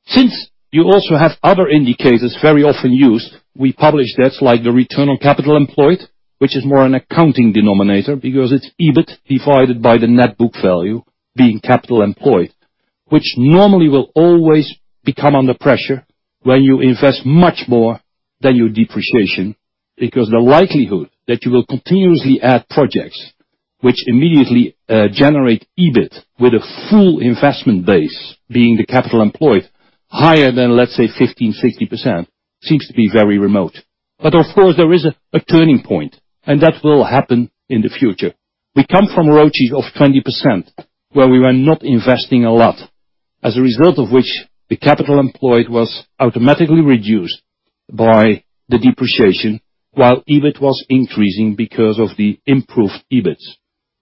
Since you also have other indicators very often used, we publish that, like the Return on Capital Employed, which is more an accounting denominator because it's EBIT divided by the net book value being capital employed. Which normally will always become under pressure when you invest much more than your depreciation, because the likelihood that you will continuously add projects which immediately generate EBIT with a full investment base being the capital employed higher than, let's say, 15%, 60%, seems to be very remote. Of course, there is a turning point, and that will happen in the future. We come from ROGAs of 20%, where we were not investing a lot, as a result of which the capital employed was automatically reduced by the depreciation while EBIT was increasing because of the improved EBITs.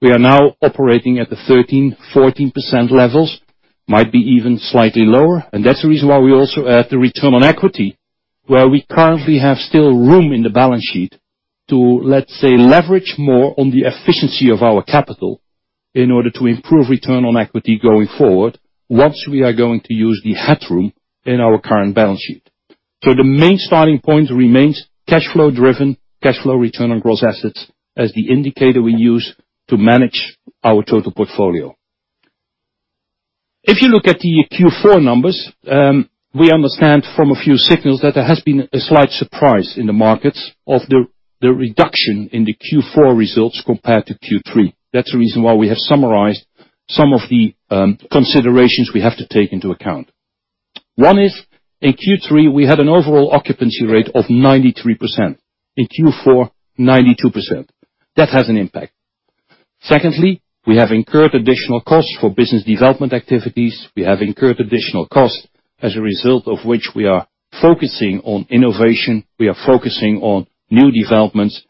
We are now operating at the 13%, 14% levels, might be even slightly lower, and that's the reason why we also add the Return on Equity, where we currently have still room in the balance sheet to, let's say, leverage more on the efficiency of our capital in order to improve Return on Equity going forward, once we are going to use the headroom in our current balance sheet. The main starting point remains cash flow driven, Cash Flow Return on Gross Assets as the indicator we use to manage our total portfolio. If you look at the Q4 numbers, we understand from a few signals that there has been a slight surprise in the markets of the reduction in the Q4 results compared to Q3. That's the reason why we have summarized some of the considerations we have to take into account. One is, in Q3, we had an overall occupancy rate of 93%. In Q4, 92%. That has an impact. Secondly, we have incurred additional costs for business development activities. We have incurred additional costs as a result of which we are focusing on innovation. We are focusing on new developments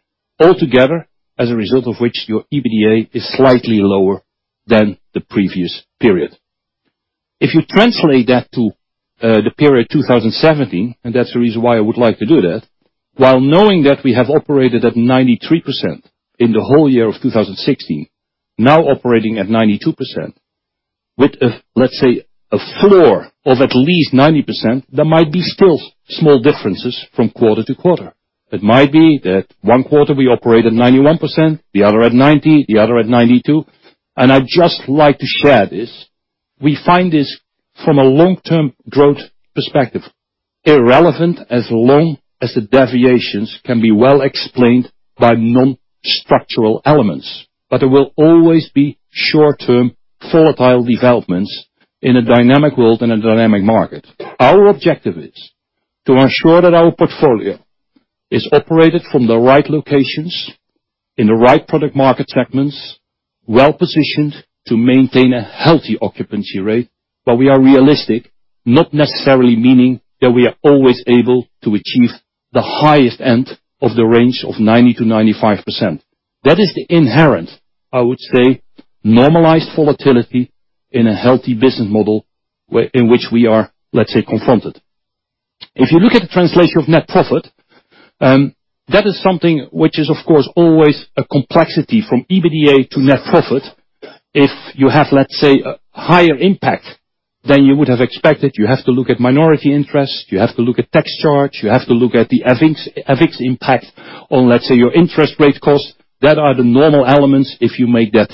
altogether, as a result of which your EBITDA is slightly lower than the previous period. If you translate that to the period 2017, and that's the reason why I would like to do that, while knowing that we have operated at 93% in the whole year of 2016, now operating at 92% with, let's say, a floor of at least 90%, there might be still small differences from quarter to quarter. It might be that one quarter we operate at 91%, the other at 90, the other at 92. I'd just like to share this. We find this from a long-term growth perspective, irrelevant as long as the deviations can be well explained by non-structural elements. There will always be short-term volatile developments in a dynamic world and a dynamic market. Our objective is to ensure that our portfolio is operated from the right locations, in the right product market segments, well-positioned to maintain a healthy occupancy rate. We are realistic, not necessarily meaning that we are always able to achieve the highest end of the range of 90%-95%. That is the inherent, I would say, normalized volatility in a healthy business model in which we are, let's say, confronted. If you look at the translation of net profit, that is something which is, of course, always a complexity from EBITDA to net profit. If you have, let's say, a higher impact than you would have expected, you have to look at minority interest, you have to look at tax charge, you have to look at the AVICS impact on, let's say, your interest rate cost. That are the normal elements if you make that,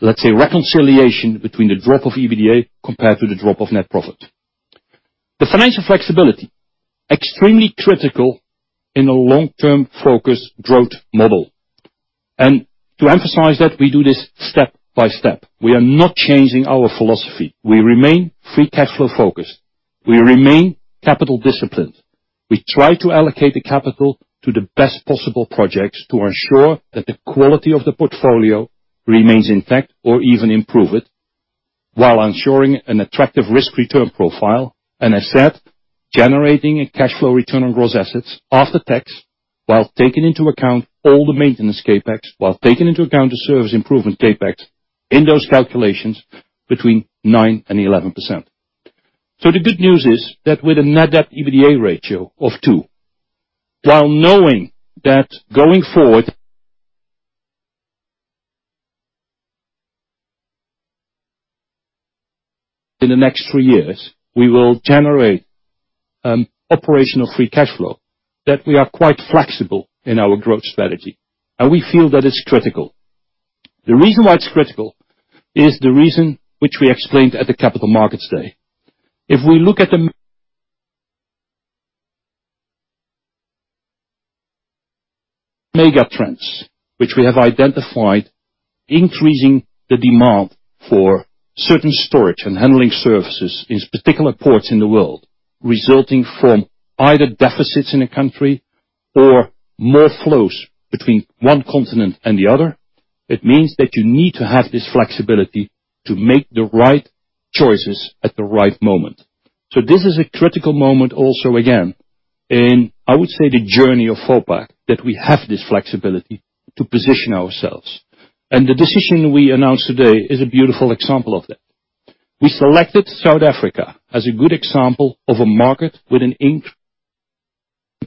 let's say, reconciliation between the drop of EBITDA compared to the drop of net profit. The financial flexibility, extremely critical in a long-term focus growth model. To emphasize that, we do this step by step. We are not changing our philosophy. We remain free cash flow focused. We remain capital disciplined. We try to allocate the capital to the best possible projects to ensure that the quality of the portfolio remains intact or even improve it, while ensuring an attractive risk-return profile, and as said, generating a cash flow return on gross assets after tax while taking into account all the maintenance CapEx, while taking into account the service improvement CapEx in those calculations between 9%-11%. The good news is that with a net debt to EBITDA ratio of two, while knowing that going forward in the next three years, we will generate operational free cash flow, that we are quite flexible in our growth strategy, and we feel that it's critical. The reason why it's critical is the reason which we explained at the Capital Markets Day. If we look at the mega trends which we have identified, increasing the demand for certain storage and handling services in particular ports in the world, resulting from either deficits in a country or more flows between one continent and the other, it means that you need to have this flexibility to make the right choices at the right moment. This is a critical moment also, again, in, I would say, the journey of Vopak, that we have this flexibility to position ourselves. The decision we announced today is a beautiful example of that. We selected South Africa as a good example of a market with an ink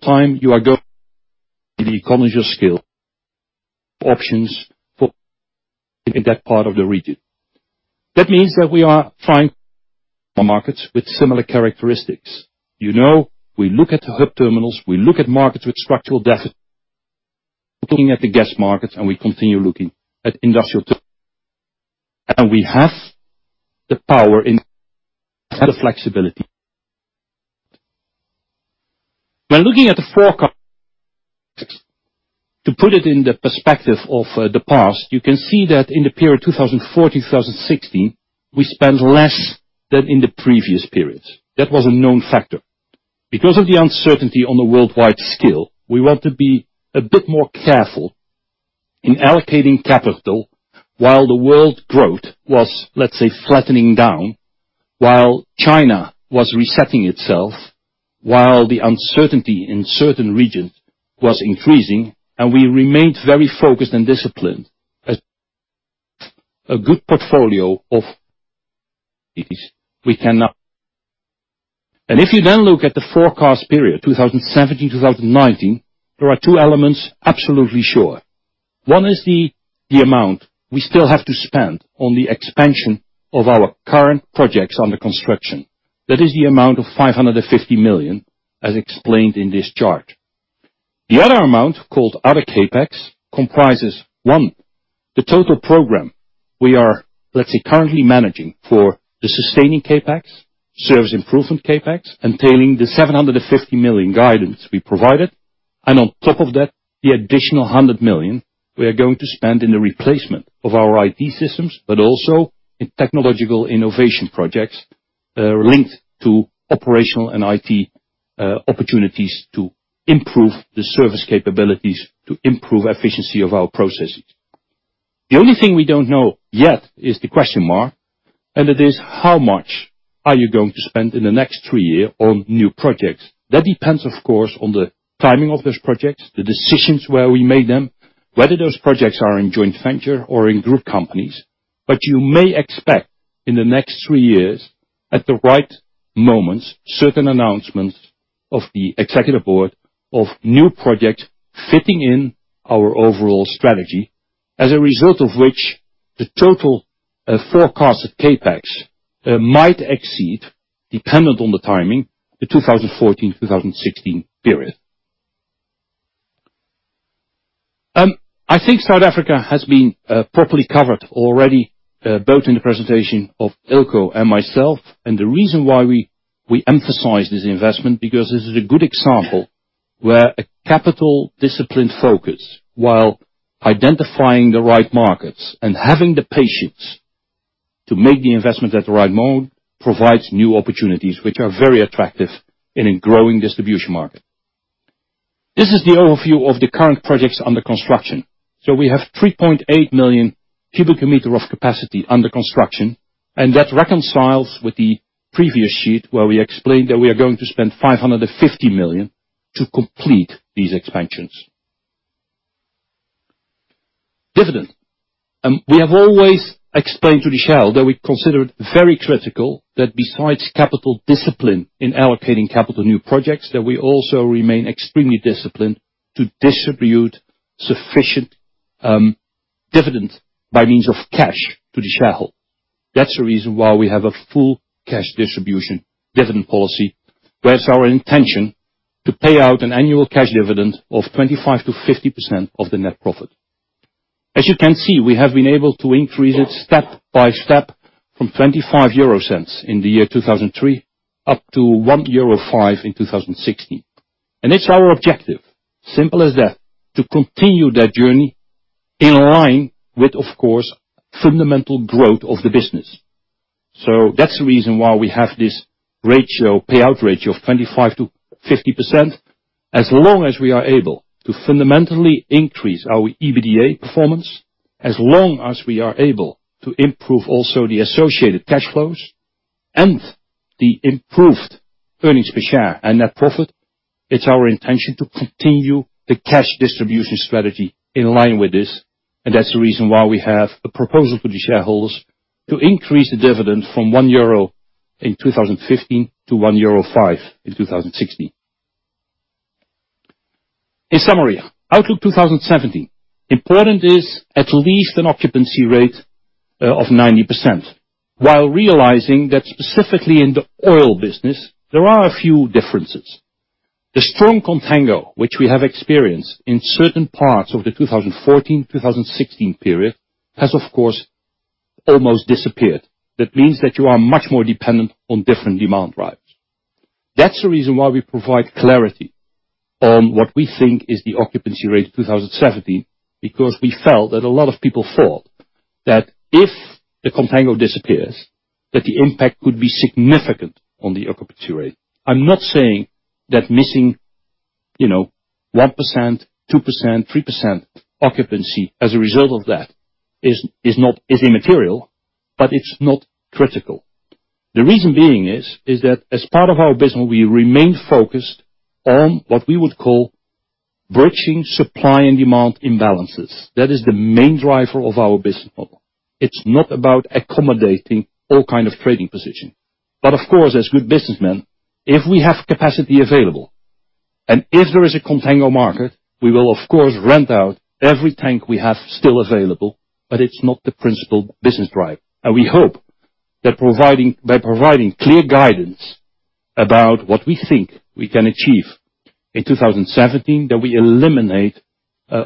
time you are go the economies of scale options for in that part of the region. That means that we are trying markets with similar characteristics. You know, we look at hub terminals, we look at markets with structural deficit, looking at the gas markets, and we continue looking at industrial, and we have the power in the flexibility. When looking at the forecast to put it in the perspective of the past, you can see that in the period 2014-2016, we spent less than in the previous periods. That was a known factor. Because of the uncertainty on the worldwide scale, we want to be a bit more careful in allocating capital while the world growth was, let's say, flattening down, while China was resetting itself, while the uncertainty in certain regions was increasing, and we remained very focused and disciplined as a good portfolio of We cannot. If you then look at the forecast period, 2017-2019, there are two elements absolutely sure. One is the amount we still have to spend on the expansion of our current projects under construction. That is the amount of 550 million as explained in this chart. The other amount, called other CapEx, comprises, 1, the total program we are, let's say, currently managing for the sustaining CapEx, service improvement CapEx, entailing the 750 million guidance we provided, and on top of that, the additional 100 million we are going to spend in the replacement of our IT systems, but also in technological innovation projects, linked to operational and IT opportunities to improve the service capabilities to improve efficiency of our processes. The only thing we don't know yet is the question mark, it is how much are you going to spend in the next 3 years on new projects? That depends, of course, on the timing of those projects, the decisions where we made them, whether those projects are in joint venture or in group companies. You may expect in the next 3 years, at the right moments, certain announcements of the executive board of new project fitting in our overall strategy, as a result of which, the total forecasted CapEx might exceed, dependent on the timing, the 2014-2016 period. I think South Africa has been properly covered already, both in the presentation of Eelco and myself, the reason why we emphasize this investment, because this is a good example where a capital discipline focus, while identifying the right markets and having the patience to make the investment at the right moment, provides new opportunities, which are very attractive in a growing distribution market. This is the overview of the current projects under construction. We have 3.8 million cubic meters of capacity under construction, that reconciles with the previous sheet where we explained that we are going to spend 550 million to complete these expansions. Dividend. We have always explained to the shareholder we consider it very critical that besides capital discipline in allocating capital new projects, that we also remain extremely disciplined to distribute sufficient dividend by means of cash to the shareholder. That's the reason why we have a full cash distribution dividend policy, where it's our intention to pay out an annual cash dividend of 25%-50% of the net profit. As you can see, we have been able to increase it step by step from €0.25 in the year 2003 up to €1.5 in 2016. It's our objective, simple as that, to continue that journey in line with, of course, fundamental growth of the business. That's the reason why we have this payout ratio of 25%-50%. As long as we are able to fundamentally increase our EBITDA performance, as long as we are able to improve also the associated cash flows and the improved earnings per share and net profit, it's our intention to continue the cash distribution strategy in line with this, that's the reason why we have a proposal to the shareholders to increase the dividend from €1 in 2015 to €1.5 in 2016. In summary, outlook 2017. Important is at least an occupancy rate of 90%, while realizing that specifically in the oil business, there are a few differences. The strong contango which we have experienced in certain parts of the 2014-2016 period has, of course, almost disappeared. That means that you are much more dependent on different demand drivers. That's the reason why we provide clarity on what we think is the occupancy rate 2017, because we felt that a lot of people thought that if the contango disappears, that the impact would be significant on the occupancy rate. I'm not saying that missing 1%, 2%, 3% occupancy as a result of that is immaterial, but it's not critical. The reason being is that as part of our business, we remain focused on what we would call bridging supply and demand imbalances. That is the main driver of our business model. It's not about accommodating all kind of trading position. Of course, as good businessmen, if we have capacity available and if there is a contango market, we will of course rent out every tank we have still available, but it's not the principal business drive. We hope that by providing clear guidance about what we think we can achieve in 2017, that we eliminate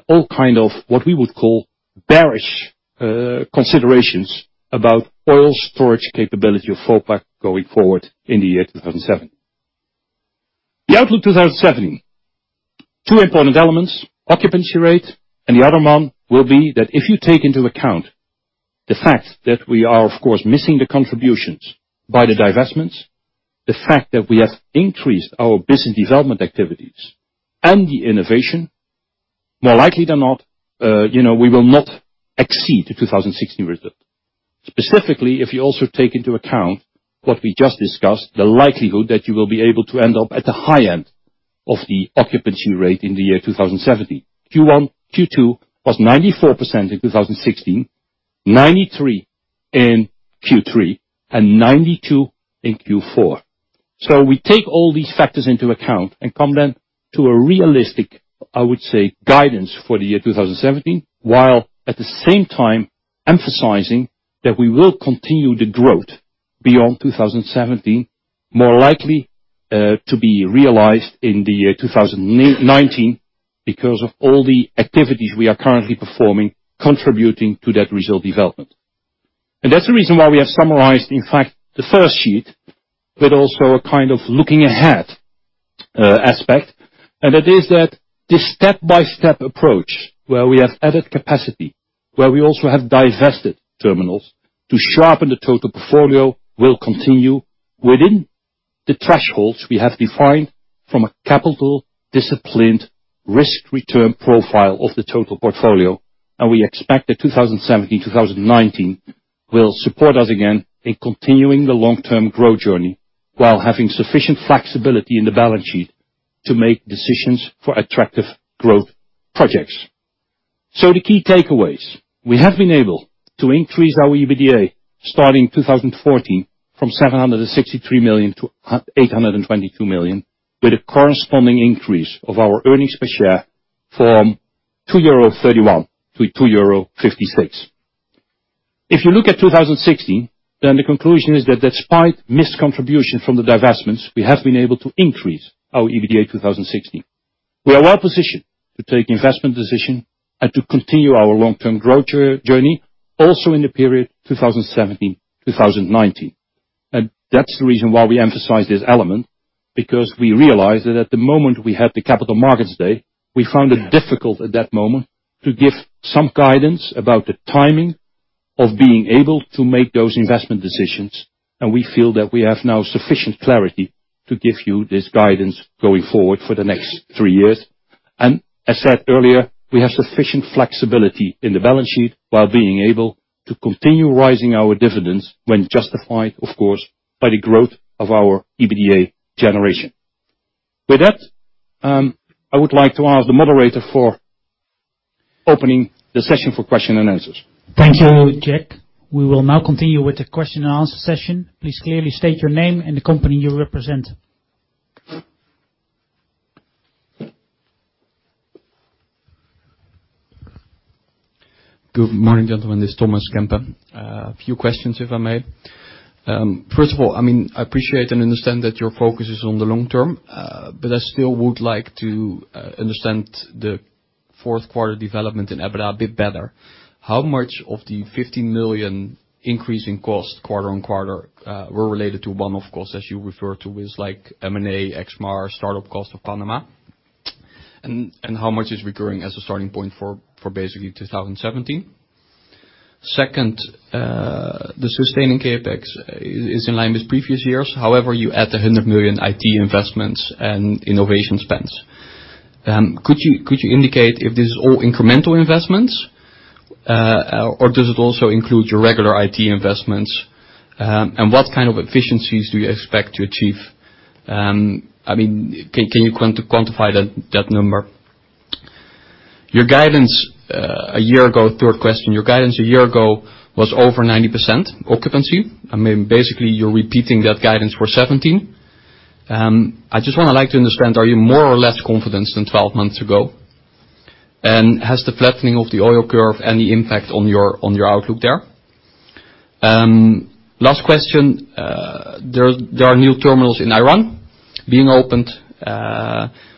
all kind of what we would call bearish considerations about oil storage capability of Vopak going forward in the year 2017. The outlook 2017. Two important elements, occupancy rate, and the other one will be that if you take into account the fact that we are, of course, missing the contributions by the divestments, the fact that we have increased our business development activities and the innovation, more likely than not, we will not exceed the 2016 result. Specifically, if you also take into account what we just discussed, the likelihood that you will be able to end up at the high end of the occupancy rate in the year 2017. Q1, Q2 was 94% in 2016, 93% in Q3, and 92% in Q4. We take all these factors into account and come then to a realistic, I would say, guidance for the year 2017, while at the same time emphasizing that we will continue the growth beyond 2017, more likely to be realized in the year 2019 because of all the activities we are currently performing contributing to that result development. That's the reason why we have summarized, in fact, the first sheet, but also a kind of looking ahead aspect. It is that this step-by-step approach where we have added capacity, where we also have divested terminals to sharpen the total portfolio will continue within the thresholds we have defined from a capital disciplined risk-return profile of the total portfolio. We expect that 2017-2019 will support us again in continuing the long-term growth journey while having sufficient flexibility in the balance sheet to make decisions for attractive growth projects. The key takeaways, we have been able to increase our EBITDA starting 2014 from 763 million to 822 million, with a corresponding increase of our earnings per share from €2.31 to €2.56. If you look at 2016, the conclusion is that despite missed contribution from the divestments, we have been able to increase our EBITDA in 2016. We are well positioned to take investment decision and to continue our long-term growth journey also in the period 2017-2019. That's the reason why we emphasize this element, because we realized that at the moment we had the capital markets day, we found it difficult at that moment to give some guidance about the timing of being able to make those investment decisions. We feel that we have now sufficient clarity to give you this guidance going forward for the next three years. As said earlier, we have sufficient flexibility in the balance sheet while being able to continue raising our dividends when justified, of course, by the growth of our EBITDA generation. With that, I would like to ask the moderator for opening the session for question and answers. Thank you, Jack. We will now continue with the question and answer session. Please clearly state your name and the company you represent. Good morning, gentlemen. This is Thomas Kerstens. A few questions, if I may. First of all, I appreciate and understand that your focus is on the long term, but I still would like to understand the fourth quarter development in EBITDA a bit better. How much of the 50 million increase in cost quarter-on-quarter, were related to one-off costs as you refer to with like M&A, Exmar, startup cost of Panama, and how much is reoccurring as a starting point for basically 2017? Second, the sustaining CapEx is in line with previous years. However, you add the 100 million IT investments and innovation spends. Could you indicate if this is all incremental investments, or does it also include your regular IT investments? What kind of efficiencies do you expect to achieve? Can you quantify that number? Third question, your guidance a year ago was over 90% occupancy. Basically, you're repeating that guidance for 2017. I just want to like to understand, are you more or less confident than 12 months ago? Has the flattening of the oil curve any impact on your outlook there? Last question, there are new terminals in Iran being opened.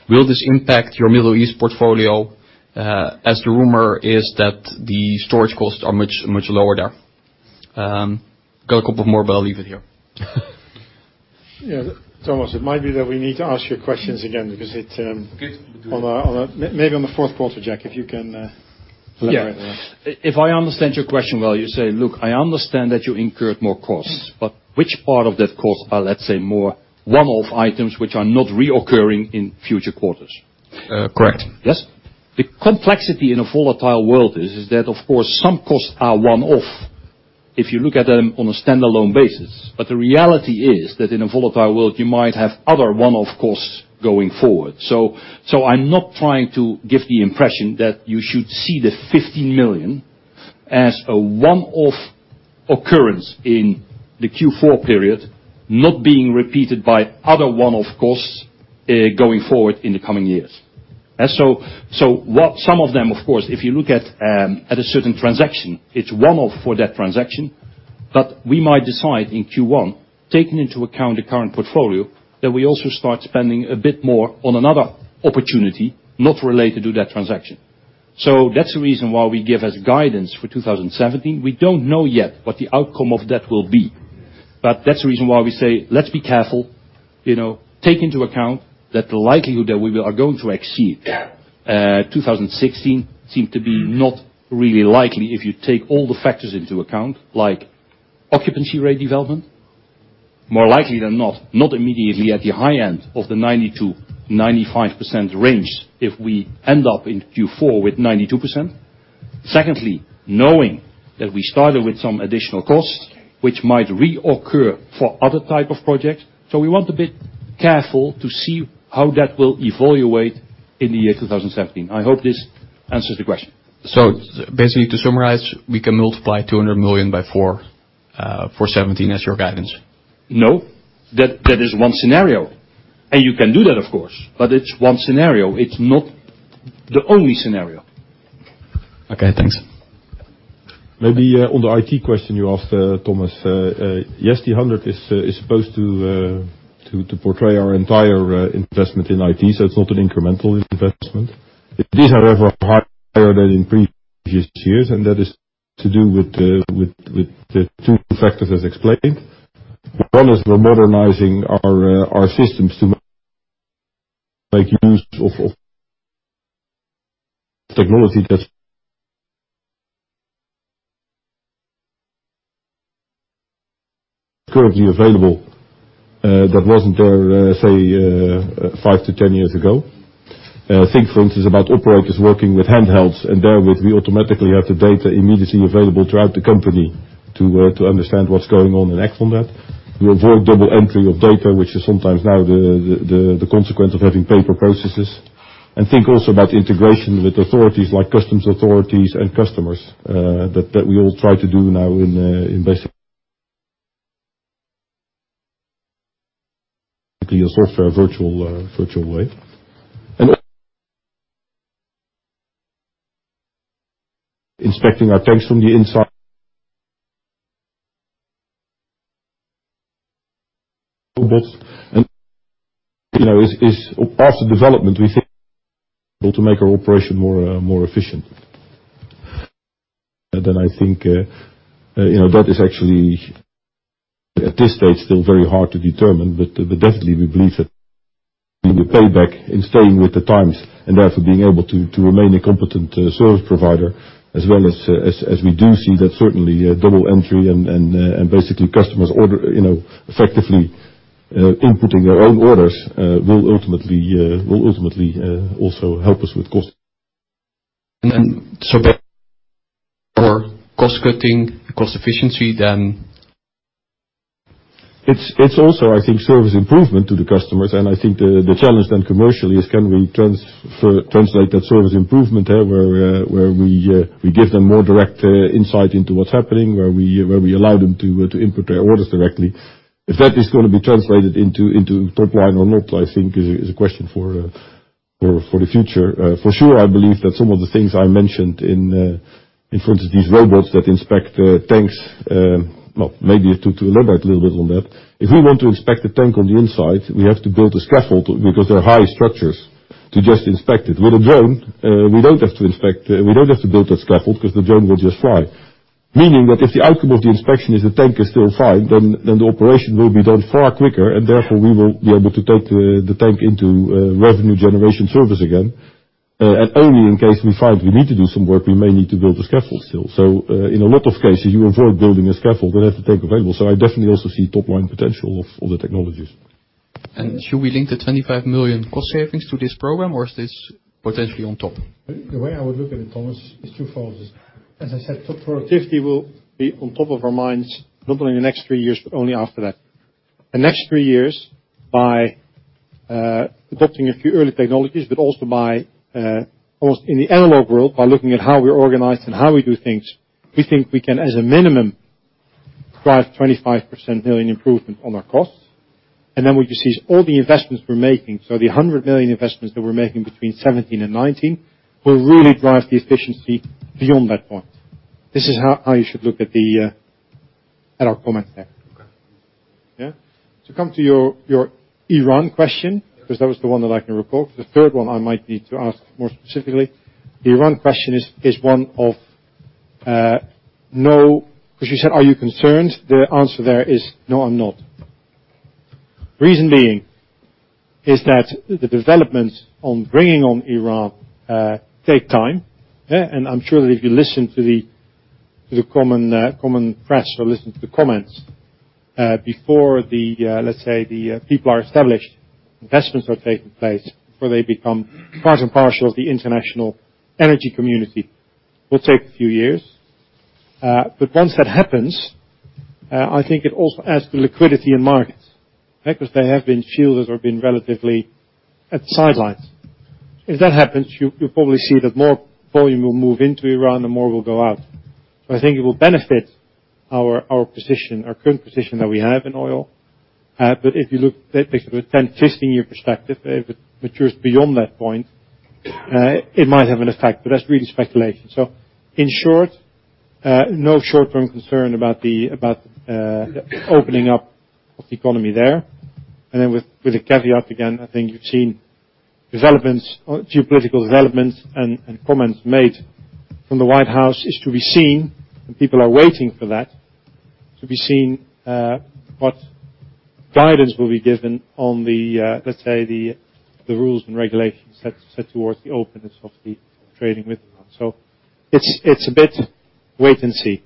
Will this impact your Middle East portfolio? As the rumor is that the storage costs are much lower there. Got a couple more, but I'll leave it here. Yeah. Thomas, it might be that we need to ask you questions again because. Good. Maybe on the fourth quarter, Jack, if you can elaborate. Yeah. If I understand your question well, you say, "Look, I understand that you incurred more costs, but which part of that cost are, let's say, more one-off items which are not recurring in future quarters? Correct. Yes. The complexity in a volatile world is that of course some costs are one-off if you look at them on a standalone basis. The reality is that in a volatile world, you might have other one-off costs going forward. I'm not trying to give the impression that you should see the 50 million as a one-off occurrence in the Q4 period, not being repeated by other one-off costs, going forward in the coming years. What some of them, of course, if you look at a certain transaction, it's one-off for that transaction, but we might decide in Q1, taking into account the current portfolio, that we also start spending a bit more on another opportunity not related to that transaction. That's the reason why we give as guidance for 2017. We don't know yet what the outcome of that will be, that's the reason why we say, let's be careful. Take into account that the likelihood that we are going to exceed 2016 seems to be not really likely if you take all the factors into account, like occupancy rate development. More likely than not immediately at the high end of the 90%-95% range if we end up in Q4 with 92%. Secondly, knowing that we started with some additional costs, which might reoccur for other type of projects. We want to be careful to see how that will evaluate in the year 2017. I hope this answers the question. Basically to summarize, we can multiply 200 million by four for 2017 as your guidance. No. That is one scenario. You can do that of course, it's one scenario. It's not the only scenario. Okay. Thanks. Maybe on the IT question you asked, Thomas, yes, the 100 is supposed to portray our entire investment in IT, so it's not an incremental investment. It is, however, higher than in previous years, and that is to do with the two factors as explained. One is we're modernizing our systems to make use of technology that's currently available, that wasn't there, say, 5-10 years ago. Think for instance about operators working with handhelds and therewith we automatically have the data immediately available throughout the company to understand what's going on and act on that. We avoid double entry of data, which is sometimes now the consequence of having paper processes. Think also about integration with authorities like customs authorities and customers, that we all try to do now in a software virtual way. Inspecting our tanks from the inside. Robots and is part of development. We think to make our operation more efficient. I think that is actually at this stage, still very hard to determine, but definitely, we believe that the payback in staying with the times and therefore being able to remain a competent service provider as we do see that certainly double entry and basically customers effectively inputting their own orders will ultimately also help us with cost. For cost cutting, cost efficiency, then? It's also, I think, service improvement to the customers. I think the challenge then commercially is can we translate that service improvement where we give them more direct insight into what's happening, where we allow them to input their orders directly. If that is going to be translated into top line or not, I think is a question for the future. For sure, I believe that some of the things I mentioned in front of these robots that inspect tanks. Maybe to elaborate a little bit on that. If we want to inspect the tank on the inside, we have to build a scaffold because they are high structures to just inspect it. With a drone, we don't have to build that scaffold because the drone will just fly. Meaning that if the outcome of the inspection is the tank is still fine, the operation will be done far quicker, therefore, we will be able to take the tank into revenue generation service again. Only in case we find we need to do some work, we may need to build a scaffold still. In a lot of cases, you avoid building a scaffold, you have the tank available. I definitely also see top-line potential of all the technologies. Should we link the 25 million cost savings to this program, or is this potentially on top? The way I would look at it, Thomas, is twofold. As I said, top 450 will be on top of our minds, not only in the next three years, but only after that. The next three years by adopting a few early technologies, but also by, almost in the analog world, by looking at how we're organized and how we do things. We think we can, as a minimum, drive 25 million improvement on our costs. What you see is all the investments we're making. The 100 million investments that we're making between 2017 and 2019 will really drive the efficiency beyond that point. This is how you should look at our comments there. Okay. Yeah. To come to your Iran question. Yes. That was the one that I can recall. The third one I might need to ask more specifically. The Iran question is one of no because you said, are you concerned? The answer there is no, I'm not. Reason being is that the developments on bringing on Iran take time. I'm sure that if you listen to the common press or listen to the comments before the, let's say, the people are established, investments are taking place before they become part and parcel of the international energy community, will take a few years. Once that happens, I think it also adds to liquidity in markets. There have been fields that have been relatively at the sidelines. If that happens, you'll probably see that more volume will move into Iran, and more will go out. I think it will benefit our current position that we have in oil. If you look, basically, a 10, 15 year perspective, if it matures beyond that point, it might have an effect, but that's really speculation. In short, no short-term concern about the opening up of the economy there. Then with a caveat, again, I think you've seen geopolitical developments and comments made from the White House is to be seen, and people are waiting for that. To be seen what guidance will be given on the, let's say, the rules and regulations set towards the openness of the trading with Iran. It's a bit wait and see.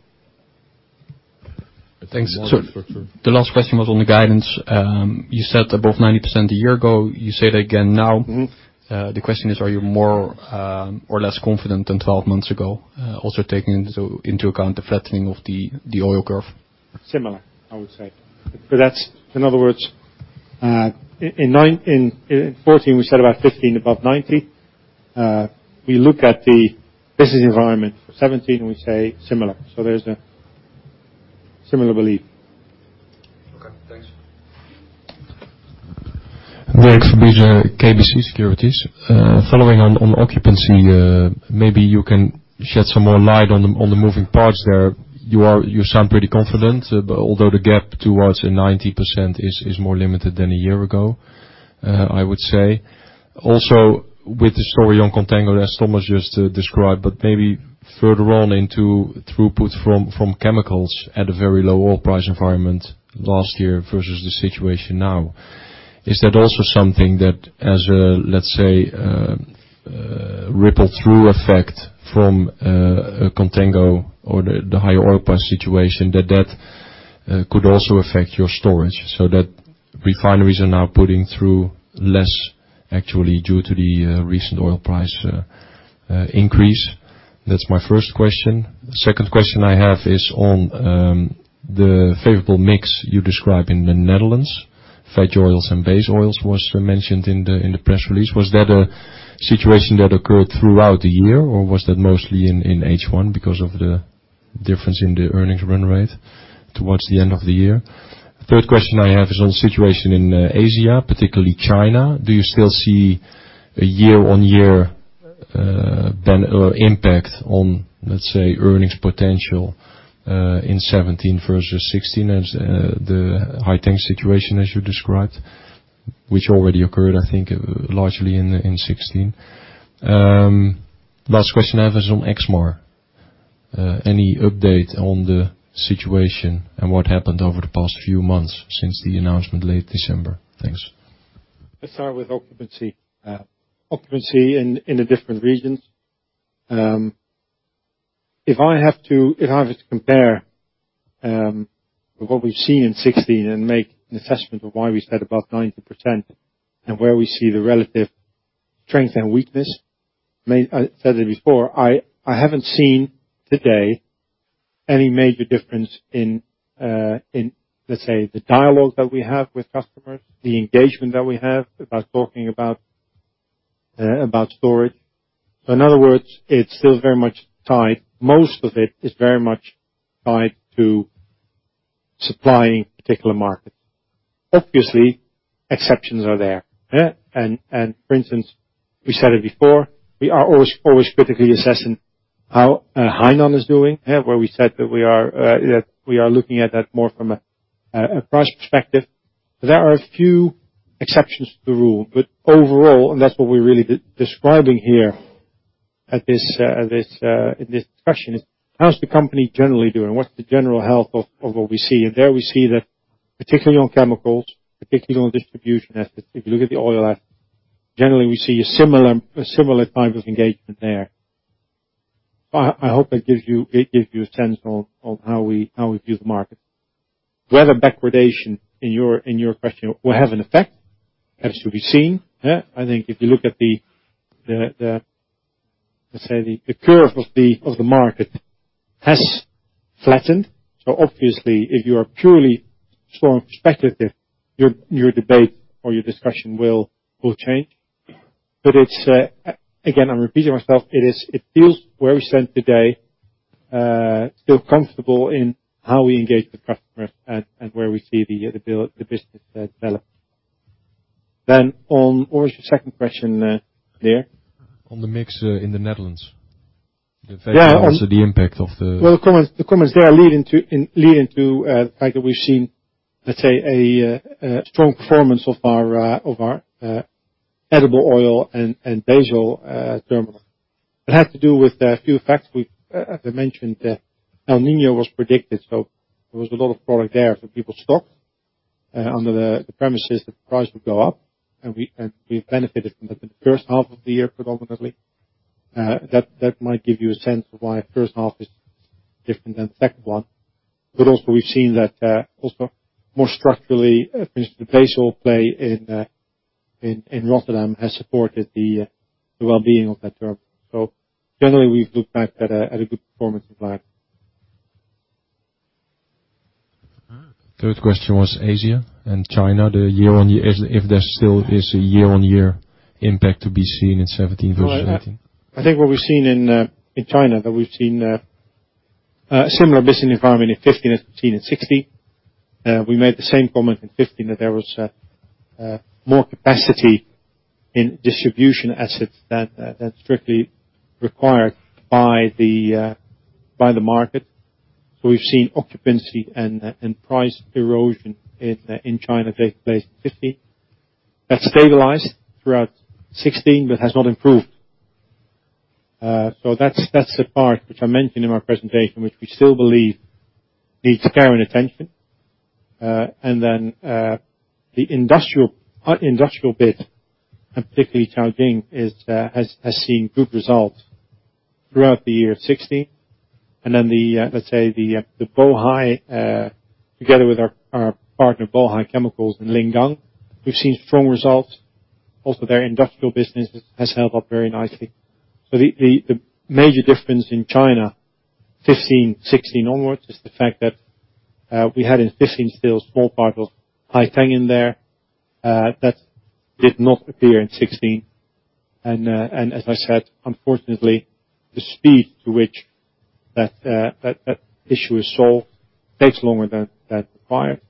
Thanks. The last question was on the guidance. You said above 90% a year ago. You say it again now. The question is, are you more or less confident than 12 months ago? Also taking into account the flattening of the oil curve. Similar, I would say. In other words, in 2014, we said about 15 above 90. We look at the business environment for 2017, we say similar. There's a similar belief. Okay, thanks. Dirk Verbuijst, KBC Securities. Following on occupancy, maybe you can shed some more light on the moving parts there. You sound pretty confident. Although the gap towards 90% is more limited than a year ago, I would say. With the story on contango that Thomas just described, maybe further on into throughput from chemicals at a very low oil price environment last year versus the situation now. Is that also something that as a, let's say, a ripple through effect from contango or the higher oil price situation that could also affect your storage so that refineries are now putting through less actually due to the recent oil price increase. That's my first question. Second question I have is on the favorable mix you describe in the Netherlands. Veg oils and base oils was mentioned in the press release. Was that a situation that occurred throughout the year, or was that mostly in H1 because of the difference in the earnings run rate towards the end of the year? Third question I have is on situation in Asia, particularly China. Do you still see a year-on-year impact on, let's say, earnings potential, in 2017 versus 2016 as the Haiteng situation as you described, which already occurred, I think, largely in 2016. Last question I have is on Exmar. Any update on the situation and what happened over the past few months since the announcement late December? Thanks. Let's start with occupancy. Occupancy in the different regions. If I was to compare, what we've seen in 2016 and make an assessment of why we said above 90% and where we see the relative strength and weakness. I said it before, I haven't seen today any major difference in, let's say, the dialogue that we have with customers, the engagement that we have about talking about storage. In other words, it's still very much tied. Most of it is very much tied to supplying particular markets. Obviously, exceptions are there. For instance, we said it before, we are always critically assessing how Haiteng is doing, where we said that we are looking at that more from a price perspective. There are a few exceptions to the rule, but overall, and that's what we're really describing here in this discussion is: How's the company generally doing? What's the general health of what we see? There we see that particularly on chemicals, particularly on distribution assets, if you look at the oil assets, generally we see a similar type of engagement there. I hope that gives you a sense on how we view the market. Whether backwardation in your question will have an effect, has to be seen. I think if you look at the curve of the market has flattened. Obviously if you are purely strong perspective, your debate or your discussion will change. Again, I'm repeating myself. It feels where we stand today, still comfortable in how we engage the customer and where we see the business develop. What was your second question there? On the mix in the Netherlands. Yeah. The impact of the- Well, the comments there lead into the fact that we've seen, let's say, a strong performance of our edible oil and base oil terminal. It had to do with a few facts. As I mentioned, El Niño was predicted, there was a lot of product there for people to stock under the premises that the price would go up, and we benefited from that in the first half of the year, predominantly. That might give you a sense of why first half is different than the second one. Also we've seen that also more structurally, for instance, the base oil play in Rotterdam has supported the wellbeing of that terminal. Generally we've looked back at a good performance in that. Third question was Asia and China, if there still is a year-on-year impact to be seen in 2017 versus 2018. I think what we've seen in China, that we've seen a similar business environment in 2015 as we've seen in 2016. We made the same comment in 2015 that there was more capacity in distribution assets than strictly required by the market. We've seen occupancy and price erosion in China take place in 2015. That stabilized throughout 2016, but has not improved. That's the part which I mentioned in my presentation, which we still believe needs care and attention. The industrial bit, and particularly Caojing, has seen good results throughout the year of 2016. The Bohai, together with our partner Bohai Chemicals in Lingang, we've seen strong results. Also, their industrial business has held up very nicely. The major difference in China 2015, 2016 onwards is the fact that we had in 2015 still a small part of Haiteng in there. That did not appear in 2016. As I said, unfortunately, the speed to which that issue is solved takes longer than required.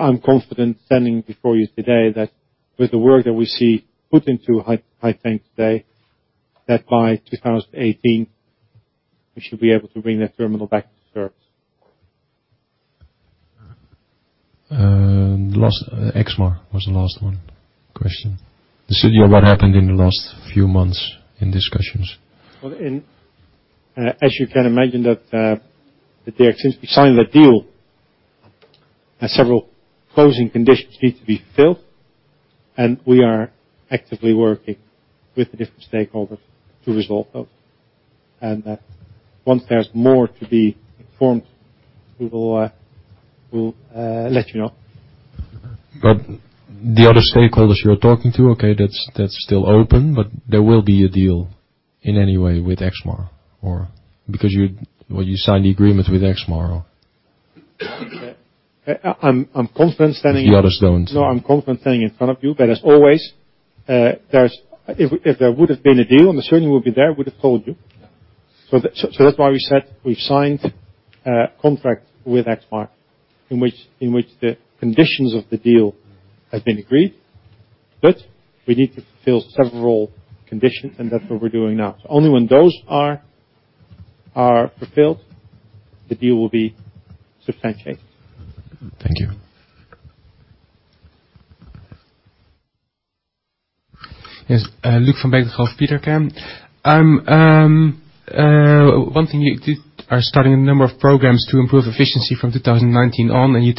I'm confident standing before you today that with the work that we see put into Haiteng today, that by 2018 we should be able to bring that terminal back to service. Exmar was the last one. Question. Just tell me what happened in the last few months in discussions. Well, as you can imagine that since we signed that deal, several closing conditions need to be fulfilled. We are actively working with the different stakeholders to resolve those. Once there's more to be informed, we'll let you know. The other stakeholders you're talking to, okay, that's still open, but there will be a deal in any way with Exmar? Because you signed the agreement with Exmar. I'm confident standing- The others don't. No, I'm confident standing in front of you. As always, if there would have been a deal, I'm assuming we'd be there, we would have told you. Yeah. That's why we said we've signed a contract with Exmar, in which the conditions of the deal have been agreed. We need to fulfill several conditions, and that's what we're doing now. Only when those are fulfilled, the deal will be substantiated. Thank you. Yes. Luuk van Beek from Petercam. One thing you are starting a number of programs to improve efficiency from 2019 on, and you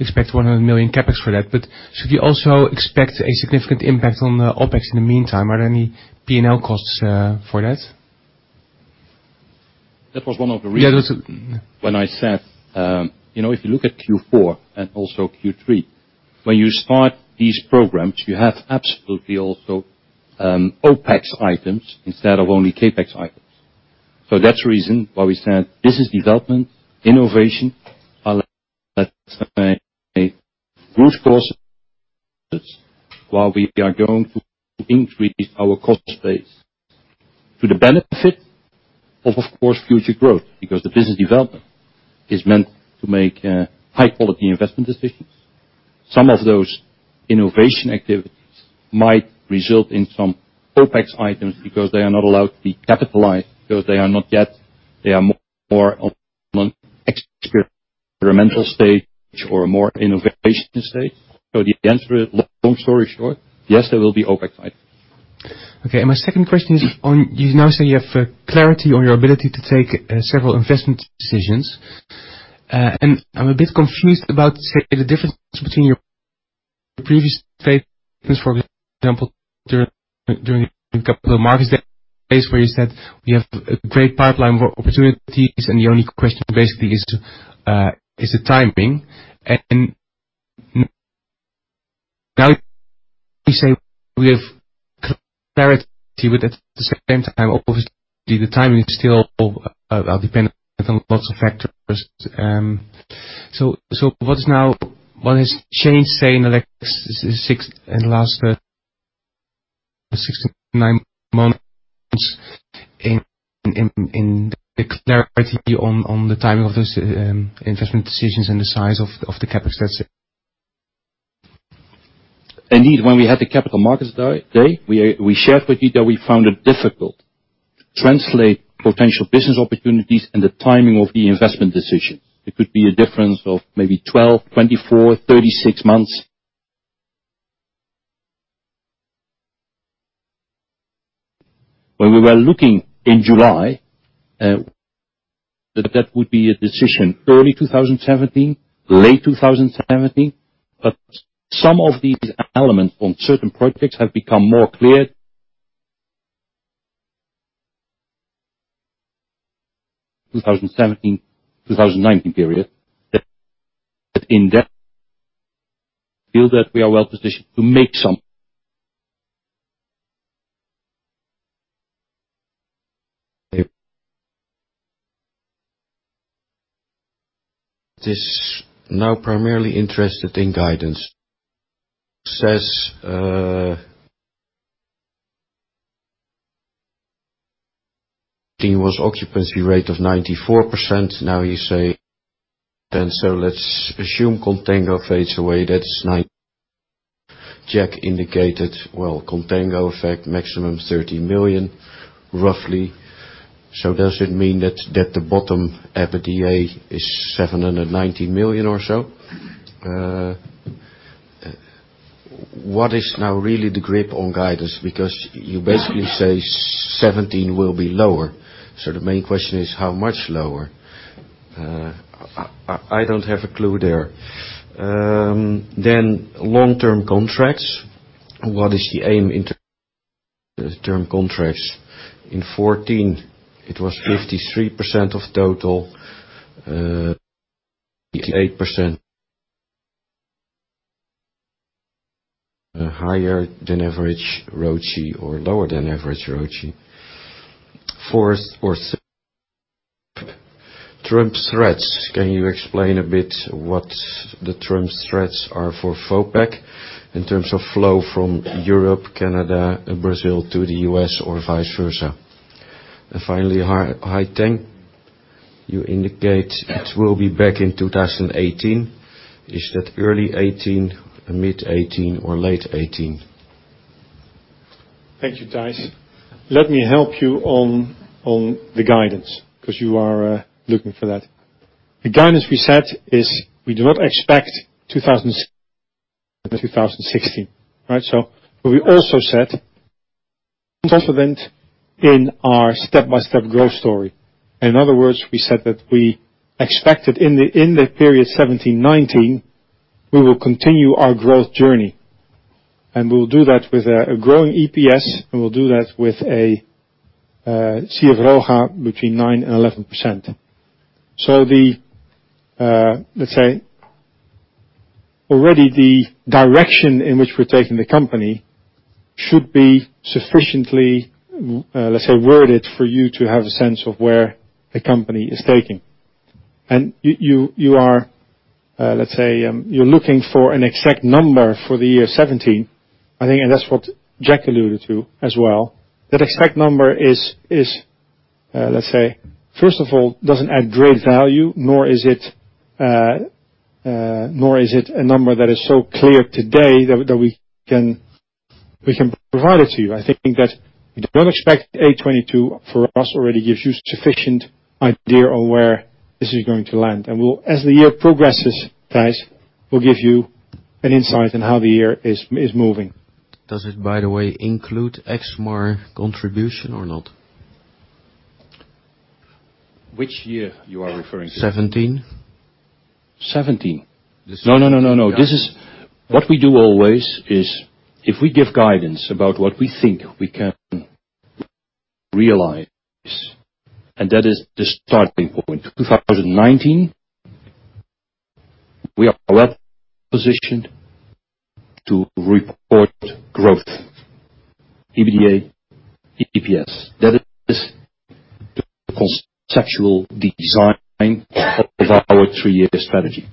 expect 100 million CapEx for that. Should we also expect a significant impact on OpEx in the meantime? Are there any P&L costs for that? That was one of the reasons when I said, if you look at Q4 and also Q3, when you start these programs, you have absolutely also OpEx items instead of only CapEx items. That's the reason why we said business development, innovation brute costs while we are going to increase our cost base to the benefit of course, future growth, because the business development is meant to make high-quality investment decisions. Some of those innovation activities might result in some OpEx items because they are not allowed to be capitalized, because they are more on experimental stage or more innovation stage. The answer is, long story short, yes, there will be OpEx items. Okay. My second question is on, you now say you have clarity on your ability to take several investment decisions. I'm a bit confused about, say, the difference between your previous statements, for example, during Capital Markets Day, where you said you have a great pipeline for opportunities, the only question basically is the timing. Now you say we have clarity with it. At the same time, obviously, the timing is still dependent on lots of factors. What has changed, say, in the last 6 to 9 months in the clarity on the timing of those investment decisions and the size of the CapEx that's? Indeed, when we had the Capital Markets Day, we shared with you that we found it difficult to translate potential business opportunities and the timing of the investment decisions. It could be a difference of maybe 12, 24, 36 months. When we were looking in July, that would be a decision early 2017, late 2017. Some of these elements on certain projects have become more clear 2017, 2019 period. In that feel that we are well-positioned to make some. This now primarily interested in guidance. Says was occupancy rate of 94%. You say, let's assume contango fades away, that's 9. Jack indicated, well, contango effect maximum 30 million, roughly. Does it mean that the bottom EBITDA is 790 million or so? What is now really the grip on guidance? Because you basically say 2017 will be lower. The main question is, how much lower? I don't have a clue there. Long-term contracts. What is the aim in term contracts? In 2014, it was 53% of total. 88% higher than average ROCE or lower than average ROCE. Fourth, Trump's threats. Can you explain a bit what the Trump's threats are for OPEC in terms of flow from Europe, Canada, Brazil to the U.S. or vice versa? Finally, Haiteng, you indicate it will be back in 2018. Is that early 2018, mid 2018, or late 2018? Thank you, Thijs. Let me help you on the guidance because you are looking for that. The guidance we set is we do not expect 2016. Right? We also said Also went in our step-by-step growth story. In other words, we said that we expected in the period 2017, 2019, we will continue our growth journey. We will do that with a growing EPS, and we'll do that with a CFROGA between 9% and 11%. Let's say, already the direction in which we're taking the company should be sufficiently, let's say, worded for you to have a sense of where the company is taking. You're looking for an exact number for the year 2017, I think, and that's what Jack alluded to as well. That exact number, let's say, first of all, doesn't add great value, nor is it a number that is so clear today that we can provide it to you. I think that we don't expect 822 million for us already gives you sufficient idea on where this is going to land. As the year progresses, guys, we'll give you an insight on how the year is moving. Does it, by the way, include Exmar contribution or not? Which year you are referring to? '17. 2017. No. This is what we do always is if we give guidance about what we think we can realize, that is the starting point. 2019, we are well positioned to report growth, EBITDA, EPS. That is the conceptual design of our three-year strategy.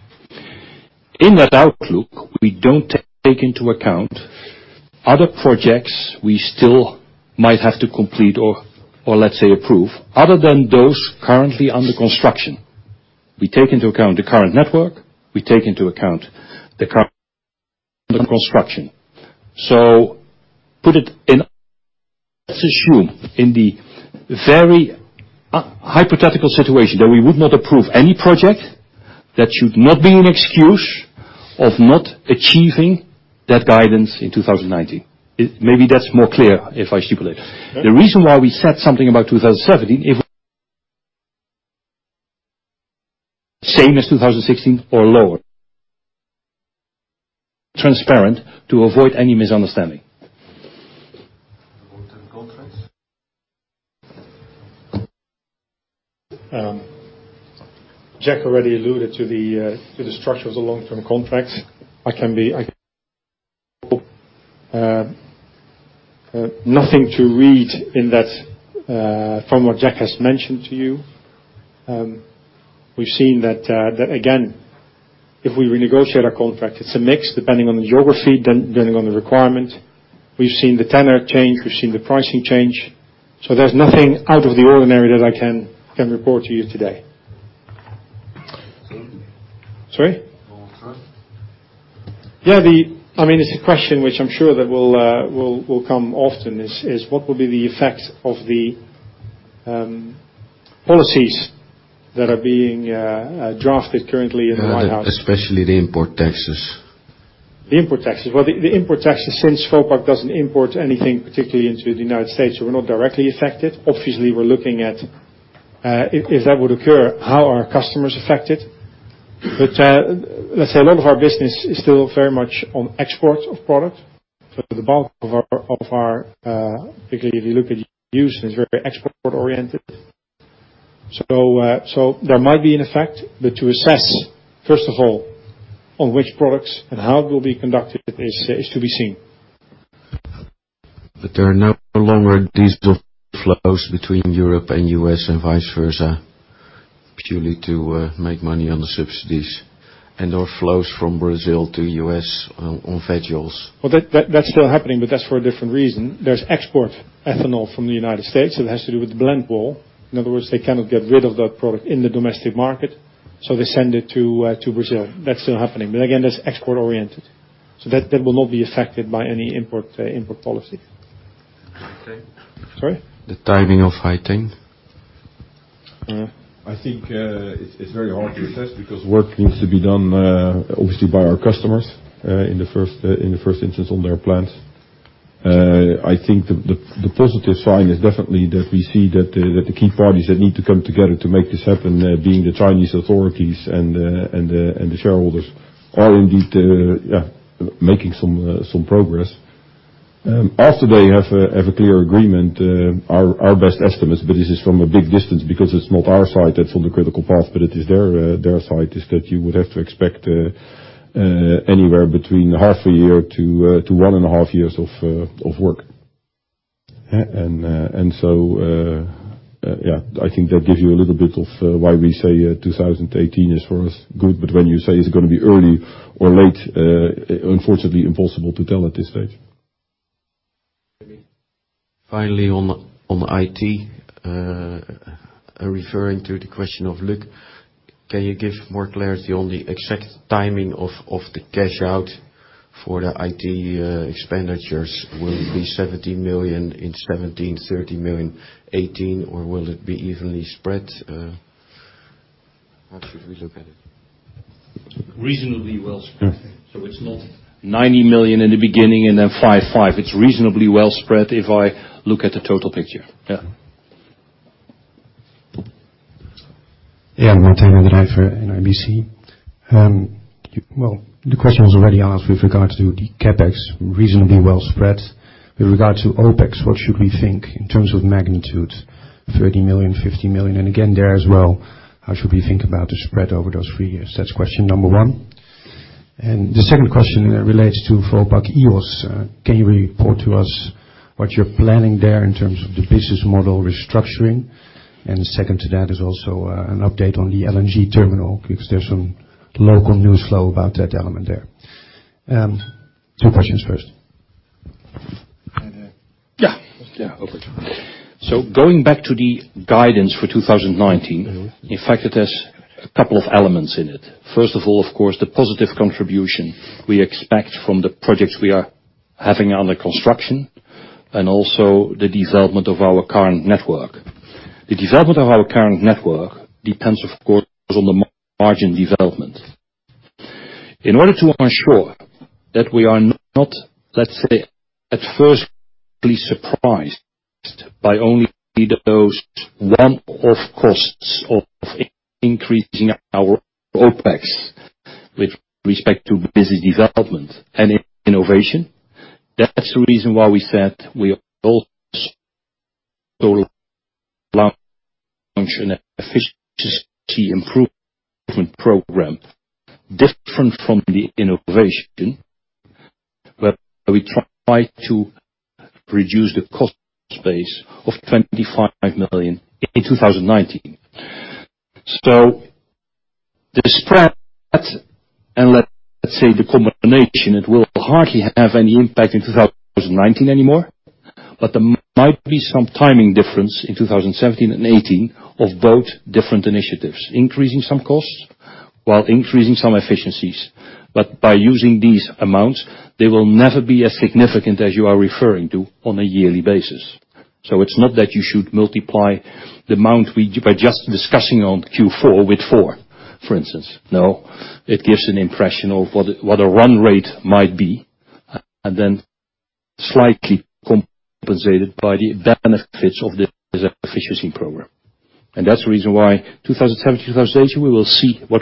In that outlook, we don't take into account other projects we still might have to complete or let's say approve other than those currently under construction. We take into account the current network, we take into account the current under construction. Put it in, let's assume in the very hypothetical situation that we would not approve any project, that should not be an excuse of not achieving that guidance in 2019. Maybe that's more clear if I stipulate. The reason why we said something about 2017, if same as 2016 or lower. Transparent to avoid any misunderstanding. Long-term contracts? Jack already alluded to the structures of long-term contracts. I can be nothing to read in that from what Jack has mentioned to you. We've seen that, again, if we renegotiate our contract, it's a mix depending on the geography, depending on the requirement. We've seen the tenor change, we've seen the pricing change. There's nothing out of the ordinary that I can report to you today. Sorry? Sorry? Long term. Yeah. It's a question which I'm sure that will come often, is what will be the effect of the policies that are being drafted currently in the White House. Especially the import taxes. The import taxes. Well, the import taxes, since Vopak doesn't import anything particularly into the U.S., we're not directly affected. Obviously, we're looking at if that would occur, how are our customers affected? Let's say a lot of our business is still very much on exports of product. The bulk of our, particularly if you look at U.S., is very export oriented. That might be an effect, but to assess, first of all, on which products and how it will be conducted is to be seen. There are no longer these flows between Europe and U.S. and vice versa purely to make money on the subsidies and/or flows from Brazil to U.S. on vegoils. Well, that's still happening, that's for a different reason. There's export ethanol from the United States, it has to do with the blend wall. In other words, they cannot get rid of that product in the domestic market, they send it to Brazil. That's still happening. Again, that's export oriented. That will not be affected by any import policy. The timing. Sorry? The timing of Haiteng. I think it's very hard to assess because work needs to be done, obviously by our customers, in the first instance on their plants. I think the positive sign is definitely that we see that the key parties that need to come together to make this happen, being the Chinese authorities and the shareholders are indeed making some progress. After they have a clear agreement, our best estimates, but this is from a big distance because it's not our site that's on the critical path, but it is their site, is that you would have to expect anywhere between half a year to one and a half years of work. Yeah. I think that gives you a little bit of why we say 2018 is for us good. When you say, is it going to be early or late? Unfortunately impossible to tell at this stage. Finally, on IT, referring to the question of Luuk, can you give more clarity on the exact timing of the cash out for the IT expenditures? Will it be 17 million in 2017, 30 million in 2018, or will it be evenly spread? How should we look at it? Reasonably well spread. It's not 90 million in the beginning and then five. It's reasonably well spread if I look at the total picture. Yeah. Yeah. Martijn van der Dijs for NIBC. Well, the question was already asked with regard to the CapEx reasonably well spread. With regard to OpEx, what should we think in terms of magnitude? 30 million, 50 million? Again, there as well, how should we think about the spread over those three years? That's question number one. The second question relates to Vopak E.O.S. Can you report to us what you're planning there in terms of the business model restructuring? Second to that is also an update on the LNG terminal, because there's some local news flow about that element there. Two questions first. Yeah. Over to you. Going back to the guidance for 2019, in fact, it has a couple of elements in it. First of all, of course, the positive contribution we expect from the projects we are having under construction and also the development of our current network. The development of our current network depends, of course, on the margin development. In order to ensure that we are not, let's say, at first be surprised by only those one-off costs of increasing our OpEx with respect to business development and innovation. That's the reason why we said we total function efficiency improvement program, different from the innovation, where we try to reduce the cost base of 25 million in 2019. The spread and let's say the combination, it will hardly have any impact in 2019 anymore. There might be some timing difference in 2017 and 2018 of both different initiatives, increasing some costs while increasing some efficiencies. By using these amounts, they will never be as significant as you are referring to on a yearly basis. It's not that you should multiply the amount we, by just discussing on Q4 with four, for instance. No. It gives an impression of what a run rate might be and then slightly compensated by the benefits of this efficiency program. That's the reason why 2017, 2018, we will see what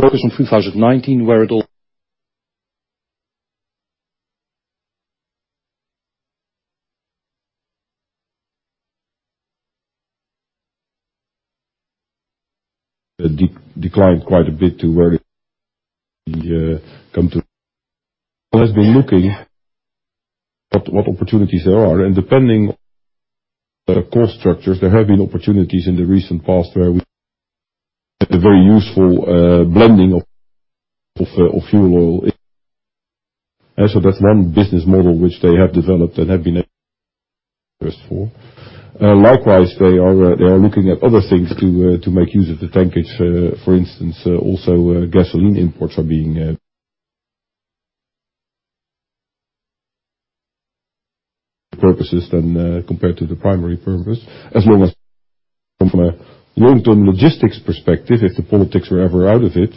focus on 2019, where it'll decline quite a bit to where the has been looking at what opportunities there are, and depending on the cost structures, there have been opportunities in the recent past where we a very useful, blending of fuel oil. That's one business model which they have developed and have been likewise, they are looking at other things to make use of the tankage. For instance, also gasoline imports are being purposes than compared to the primary purpose. As long as from a logistics perspective, if the politics were ever out of it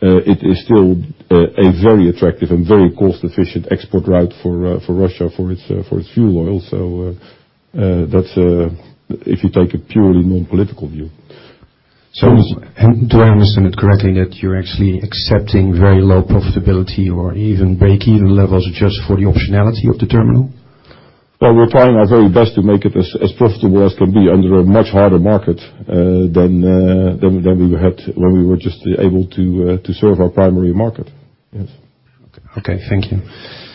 is still a very attractive and very cost-efficient export route for Russia, for its fuel oil. That's if you take a purely non-political view. Do I understand it correctly that you're actually accepting very low profitability or even break-even levels just for the optionality of the terminal? Well, we are trying our very best to make it as profitable as can be under a much harder market than we had when we were just able to serve our primary market. Yes. Okay. Thank you.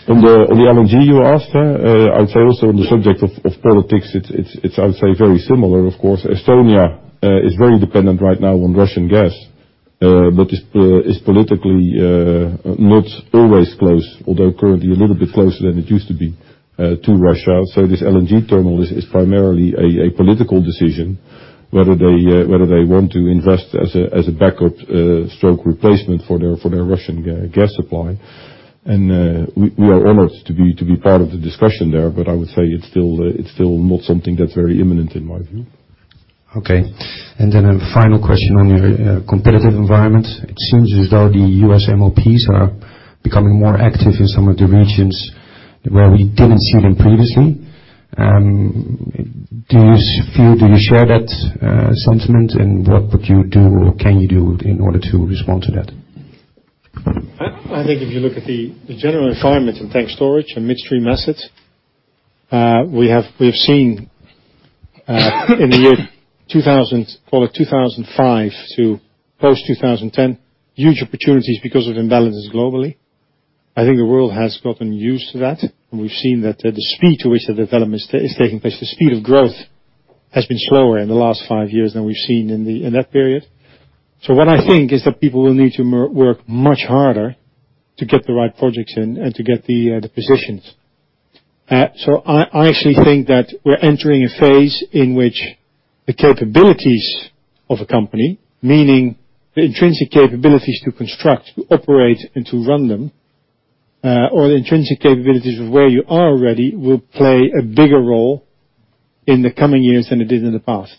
On the LNG you asked, I would say also on the subject of politics, it is, I would say, very similar. Of course, Estonia is very dependent right now on Russian gas, but is politically not always close, although currently a little bit closer than it used to be to Russia. This LNG terminal is primarily a political decision, whether they want to invest as a backup slash replacement for their Russian gas supply. We are honored to be part of the discussion there. I would say it is still not something that is very imminent, in my view. Then a final question on your competitive environment. It seems as though the U.S. MLPs are becoming more active in some of the regions where we did not see them previously. Do you feel, do you share that sentiment, and what would you do or can you do in order to respond to that? I think if you look at the general environment in tank storage and midstream assets, we have seen in the year 2005 to post 2010, huge opportunities because of imbalances globally. I think the world has gotten used to that, and we've seen that the speed to which the development is taking place, the speed of growth has been slower in the last five years than we've seen in that period. What I think is that people will need to work much harder to get the right projects in and to get the positions. I actually think that we're entering a phase in which the capabilities of a company, meaning the intrinsic capabilities to construct, to operate, and to run them, or the intrinsic capabilities of where you are already will play a bigger role in the coming years than it did in the past.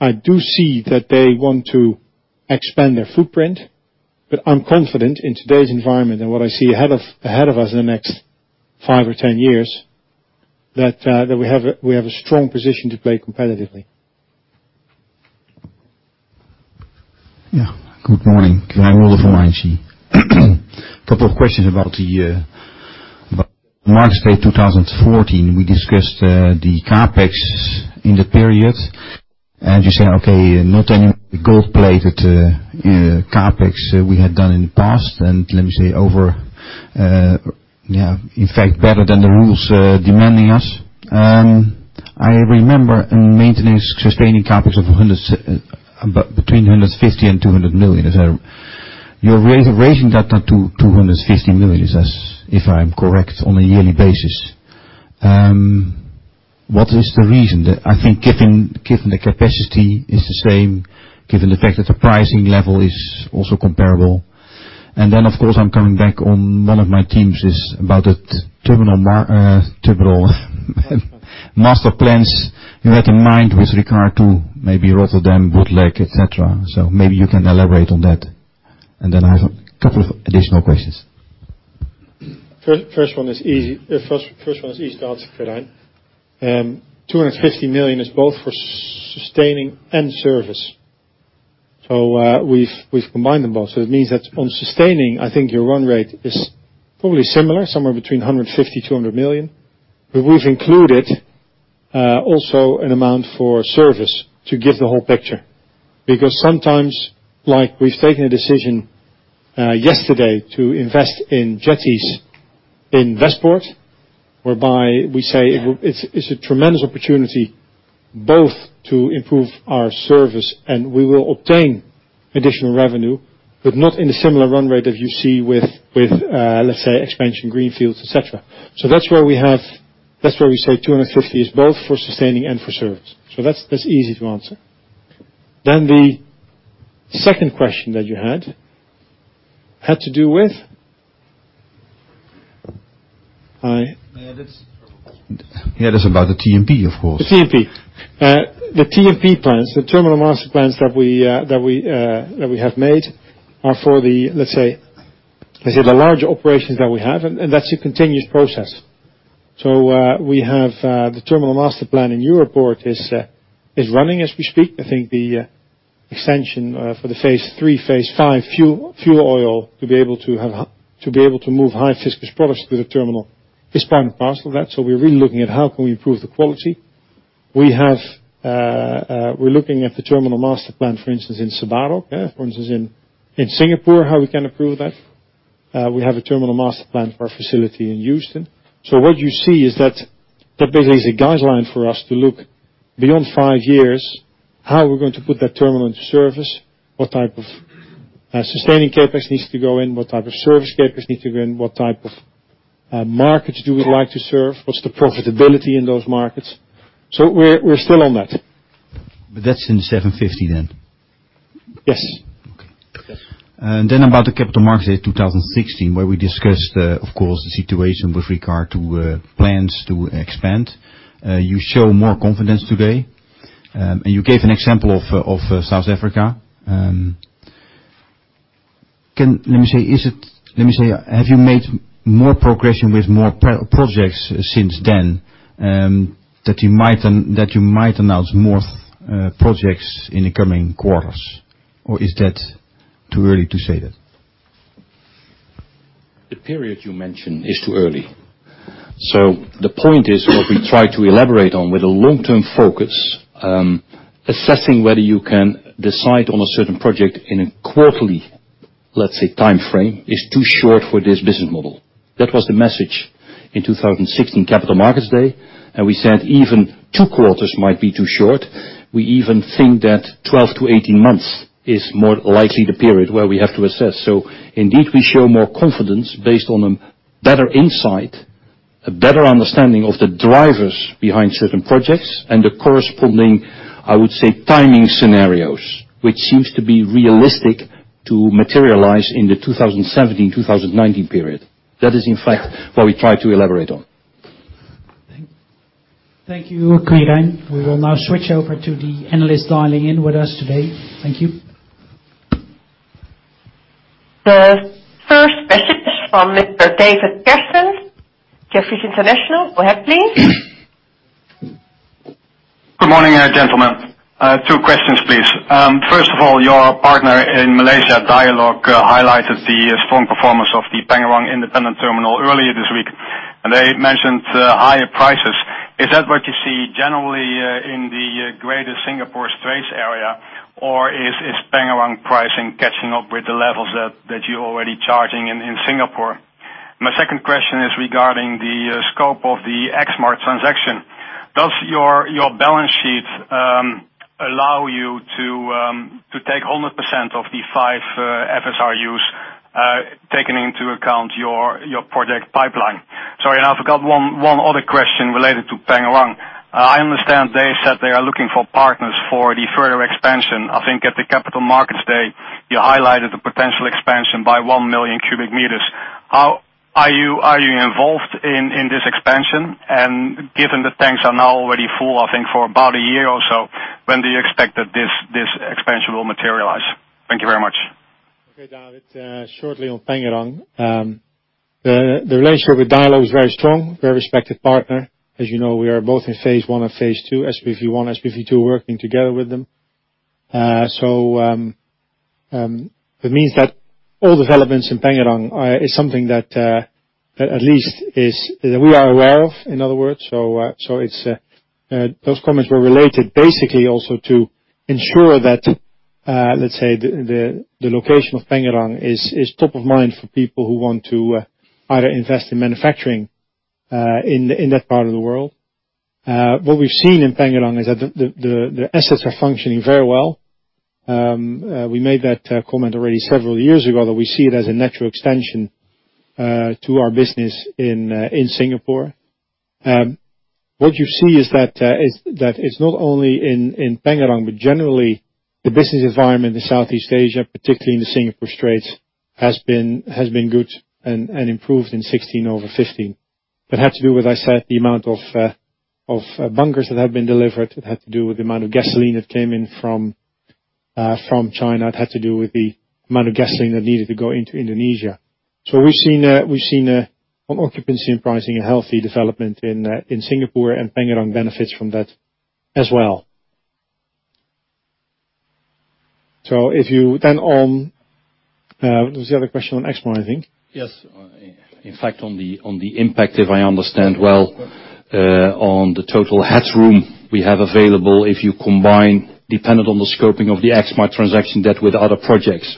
I do see that they want to expand their footprint, but I'm confident in today's environment and what I see ahead of us in the next five or 10 years, that we have a strong position to play competitively. Yeah. Good morning. Roland van Aartsen. A couple of questions about the market state 2014. We discussed the CapEx in the period, and you say, okay, not any gold-plated CapEx we had done in the past, and let me say over, in fact, better than the rules demanding us. I remember in maintenance, sustaining CapEx of between 150 million and 200 million. You're raising that now to 250 million, if I'm correct, on a yearly basis. What is the reason that, I think given the capacity is the same, given the fact that the pricing level is also comparable, then, of course, I'm coming back on one of my teams is about terminal master plans you had in mind with regard to maybe Rotterdam, Botlek, et cetera. Maybe you can elaborate on that. Then I have a couple of additional questions. First one is easy to answer, Ferdinand. 250 million is both for sustaining and service. We've combined them both. It means that on sustaining, I think your run rate is probably similar, somewhere between 150 million and 200 million. But we've included also an amount for service to give the whole picture. Because sometimes, like we've taken a decision yesterday to invest in jetties in Westport, whereby we say it's a tremendous opportunity both to improve our service and we will obtain additional revenue, but not in a similar run rate as you see with, let's say, expansion greenfields, et cetera. That's where we say 250 million is both for sustaining and for service. That's easy to answer. The second question that you had to do with? Yeah, that's about the TMP, of course. The TMP. The TMP plans, the terminal master plans that we have made are for the, let's say, the larger operations that we have, and that's a continuous process. We have the terminal master plan in Europoort is running as we speak. I think the extension for the phase 3, phase 5 fuel oil to be able to move high viscous products through the terminal is part and parcel of that. We're really looking at how can we improve the quality. We're looking at the terminal master plan, for instance, in Sebarok, for instance, in Singapore, how we can improve that. We have a terminal master plan for our facility in Houston. What you see is that that basically is a guideline for us to look beyond five years, how we're going to put that terminal into service, what type of sustaining CapEx needs to go in, what type of service CapEx needs to go in, what type of markets do we like to serve, what's the profitability in those markets. We're still on that. That's in the 750 then? Yes. Okay. Then about the Capital Markets Day 2016, where we discussed, of course, the situation with regard to plans to expand. You show more confidence today, and you gave an example of South Africa. Have you made more progression with more projects since then, that you might announce more projects in the coming quarters? Or is that too early to say that? The period you mentioned is too early. The point is what we try to elaborate on with a long-term focus, assessing whether you can decide on a certain project in a quarterly, let's say, timeframe is too short for this business model. That was the message in 2016 Capital Markets Day, and we said even two quarters might be too short. We even think that 12-18 months is more likely the period where we have to assess. Indeed, we show more confidence based on a better insight, a better understanding of the drivers behind certain projects, and the corresponding, I would say, timing scenarios, which seems to be realistic to materialize in the 2017, 2019 period. That is, in fact, what we try to elaborate on. Thank you. Thank you, Ferdinand. We will now switch over to the analysts dialing in with us today. Thank you. The first question is from Mr. David Kerstens, Jefferies International. Go ahead, please. Good morning, gentlemen. Two questions, please. First of all, your partner in Malaysia Dialog highlighted the strong performance of the Pengerang Independent Terminal earlier this week, and they mentioned higher prices. Is that what you see generally in the greater Singapore Straits area, or is Pengerang pricing catching up with the levels that you're already charging in Singapore? My second question is regarding the scope of the Exmar transaction. Does your balance sheet allow you to take 100% of the five FSRUs, taking into account your project pipeline? Sorry, I forgot one other question related to Pengerang. I understand they said they are looking for partners for the further expansion. I think at the Capital Markets Day, you highlighted the potential expansion by 1 million cubic meters. Are you involved in this expansion? Given the tanks are now already full, I think for about a year or so, when do you expect that this expansion will materialize? Thank you very much. Okay, David. Shortly on Pengerang. The relationship with Dialog is very strong, very respected partner. As you know, we are both in phase 1 and phase 2, SPV one, SPV two, working together with them. It means that all developments in Pengerang is something that at least that we are aware of, in other words. Those comments were related basically also to ensure that, let's say, the location of Pengerang is top of mind for people who want to either invest in manufacturing in that part of the world. What we've seen in Pengerang is that the assets are functioning very well. We made that comment already several years ago, that we see it as a natural extension to our business in Singapore. What you see is that it's not only in Pengerang, but generally the business environment in Southeast Asia, particularly in the Singapore Straits, has been good and improved in 2016 over 2015. That had to do with, I said, the amount of bunkers that have been delivered. It had to do with the amount of gasoline that came in from China. It had to do with the amount of gasoline that needed to go into Indonesia. We've seen on occupancy and pricing, a healthy development in Singapore and Pengerang benefits from that as well. If you then on There's the other question on Exmar, I think. Yes. In fact, on the impact, if I understand well, on the total headroom we have available if you combine, dependent on the scoping of the Exmar transaction debt with other projects.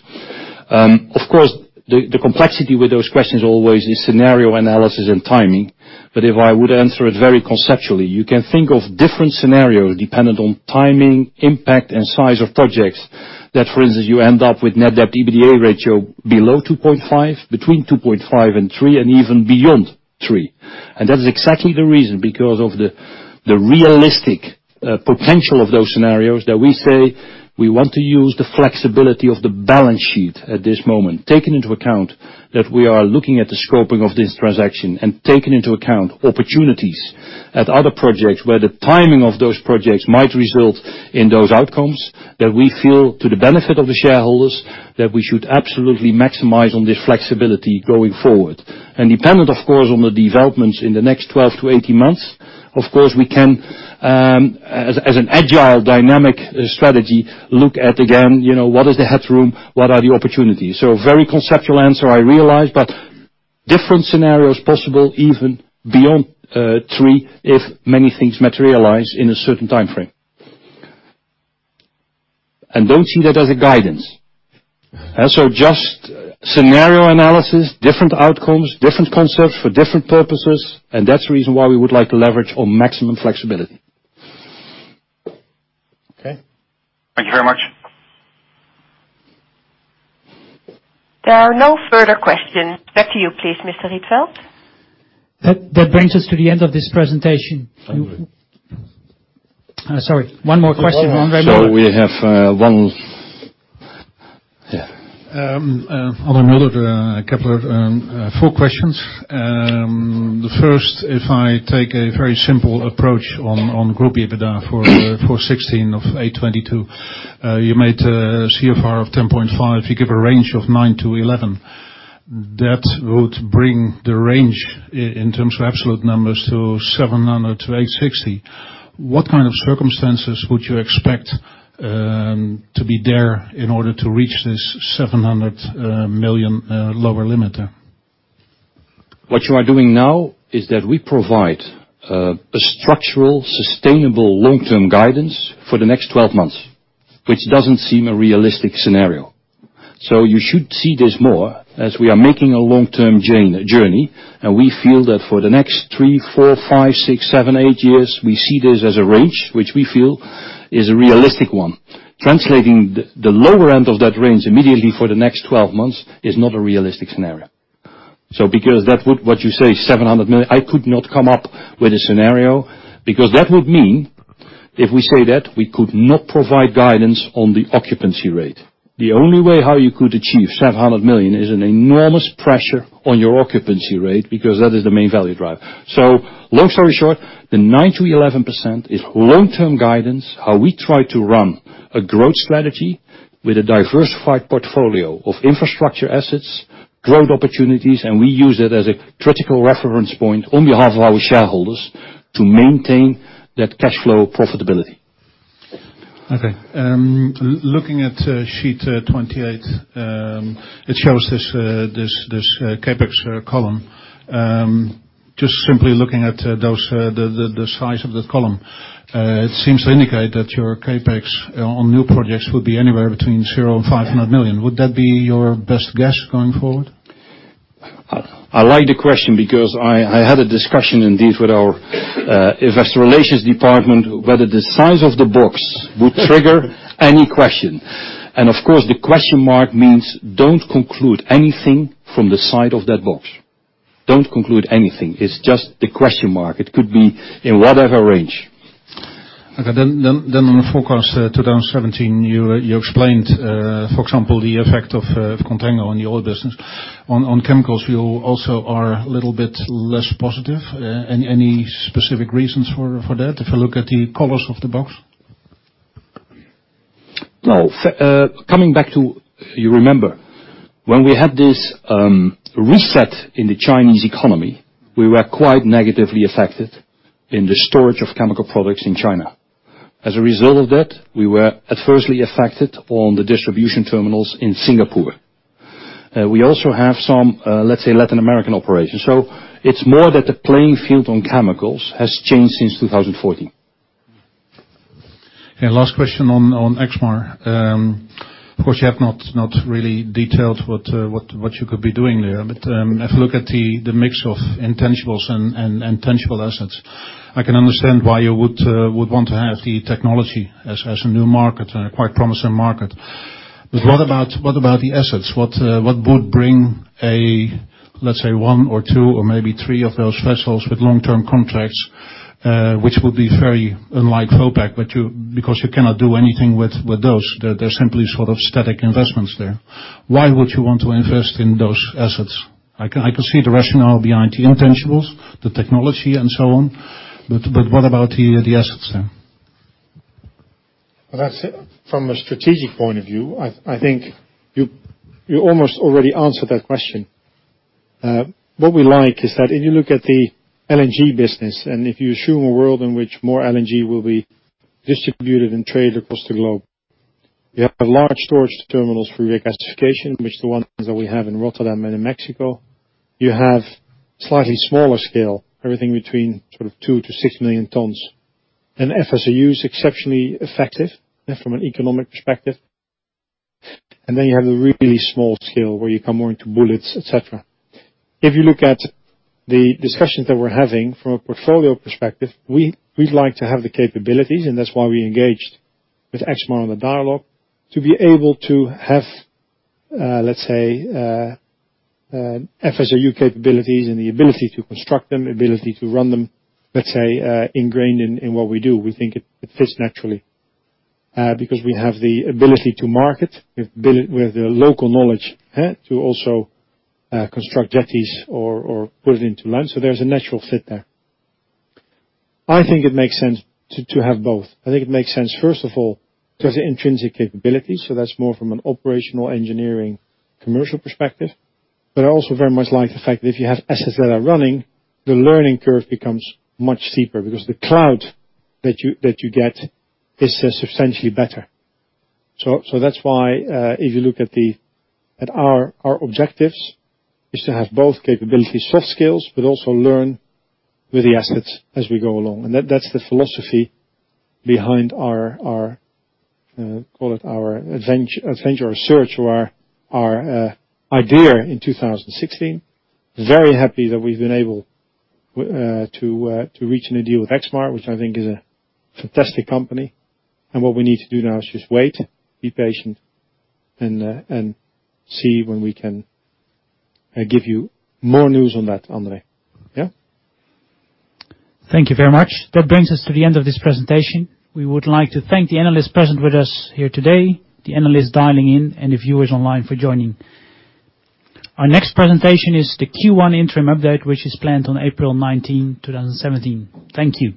Of course, the complexity with those questions always is scenario analysis and timing. If I would answer it very conceptually, you can think of different scenarios dependent on timing, impact, and size of projects. That, for instance, you end up with net debt EBITDA ratio below 2.5, between 2.5 and 3, and even beyond 3. That is exactly the reason, because of the realistic potential of those scenarios, that we say we want to use the flexibility of the balance sheet at this moment. Taking into account that we are looking at the scoping of this transaction and taking into account opportunities at other projects where the timing of those projects might result in those outcomes, that we feel, to the benefit of the shareholders, that we should absolutely maximize on this flexibility going forward. Dependent, of course, on the developments in the next 12 to 18 months, of course, we can, as an agile, dynamic strategy, look at again, what is the headroom? What are the opportunities? A very conceptual answer, I realize, but different scenarios possible, even beyond 3, if many things materialize in a certain time frame. Don't see that as a guidance. Just scenario analysis, different outcomes, different concepts for different purposes, and that's the reason why we would like to leverage on maximum flexibility. Okay. Thank you very much. There are no further questions. Back to you, please, Mr. Rietveld. That brings us to the end of this presentation. I agree. Sorry, one more question. One very more. We have one. Yeah. Adamo, there are four questions. The first, if I take a very simple approach on group EBITDA for 2016 of 822. You made a CFR of 10.5%. If you give a range of 9%-11%. That would bring the range in terms of absolute numbers, to 700 million-860 million. What kind of circumstances would you expect to be there in order to reach this 700 million lower limit there? What you are doing now is that we provide a structural, sustainable, long-term guidance for the next 12 months, which doesn't seem a realistic scenario. You should see this more as we are making a long-term journey, and we feel that for the next three, four, five, six, seven, eight years, we see this as a range, which we feel is a realistic one. Translating the lower end of that range immediately for the next 12 months is not a realistic scenario. Because that would, what you say, 700 million, I could not come up with a scenario because that would mean if we say that, we could not provide guidance on the occupancy rate. The only way you could achieve 700 million is an enormous pressure on your occupancy rate, because that is the main value driver. Long story short, the 9%-11% is long-term guidance, how we try to run a growth strategy with a diversified portfolio of infrastructure assets, growth opportunities, and we use it as a critical reference point on behalf of our shareholders to maintain that cash flow profitability. Okay. Looking at sheet 28, it shows this CapEx column. Just simply looking at the size of the column, it seems to indicate that your CapEx on new projects would be anywhere between zero and 500 million. Would that be your best guess going forward? I like the question because I had a discussion indeed with our investor relations department whether the size of the box would trigger any question. Of course, the question mark means don't conclude anything from the size of that box. Don't conclude anything. It's just a question mark. It could be in whatever range. On the forecast 2017, you explained, for example, the effect of contango on the oil business. On chemicals, you also are a little bit less positive. Any specific reasons for that if I look at the colors of the box? Well, coming back to You remember, when we had this reset in the Chinese economy, we were quite negatively affected in the storage of chemical products in China. As a result of that, we were adversely affected on the distribution terminals in Singapore. We also have some, let's say, Latin American operations. It's more that the playing field on chemicals has changed since 2014. Okay, last question on Exmar. Of course, you have not really detailed what you could be doing there. If you look at the mix of intangibles and tangible assets, I can understand why you would want to have the technology as a new market and a quite promising market. What about the assets? What would bring, let's say, one or two or maybe three of those vessels with long-term contracts, which would be very unlike Vopak, because you cannot do anything with those? They're simply sort of static investments there. Why would you want to invest in those assets? I can see the rationale behind the intangibles, the technology, and so on, what about the assets there? Well, from a strategic point of view, I think you almost already answered that question. What we like is that if you look at the LNG business, if you assume a world in which more LNG will be distributed and traded across the globe, you have large storage terminals for regasification, which the ones that we have in Rotterdam and in Mexico. You have slightly smaller scale, everything between sort of two to six million tons. FSRU is exceptionally effective from an economic perspective. You have the really small scale where you come more into bullets, et cetera. If you look at the discussions that we're having from a portfolio perspective, we'd like to have the capabilities, and that's why we engaged with Exmar on the dialogue, to be able to have, let's say, FSRU capabilities and the ability to construct them, ability to run them, let's say, ingrained in what we do. We think it fits naturally. We have the ability to market with the local knowledge to also construct jetties or put it into land. There's a natural fit there. I think it makes sense to have both. I think it makes sense, first of all, because of intrinsic capabilities, so that's more from an operational engineering commercial perspective. I also very much like the fact that if you have assets that are running, the learning curve becomes much steeper because the cloud that you get is substantially better. That's why if you look at our objectives, is to have both capabilities, soft skills, but also learn with the assets as we go along. That's the philosophy behind our, call it our venture or search or our idea in 2016. Very happy that we've been able to reach a new deal with Exmar, which I think is a fantastic company. What we need to do now is just wait, be patient, and see when we can give you more news on that, Andre. Yeah? Thank you very much. That brings us to the end of this presentation. We would like to thank the analysts present with us here today, the analysts dialing in, and the viewers online for joining. Our next presentation is the Q1 interim update, which is planned on April 19, 2017. Thank you.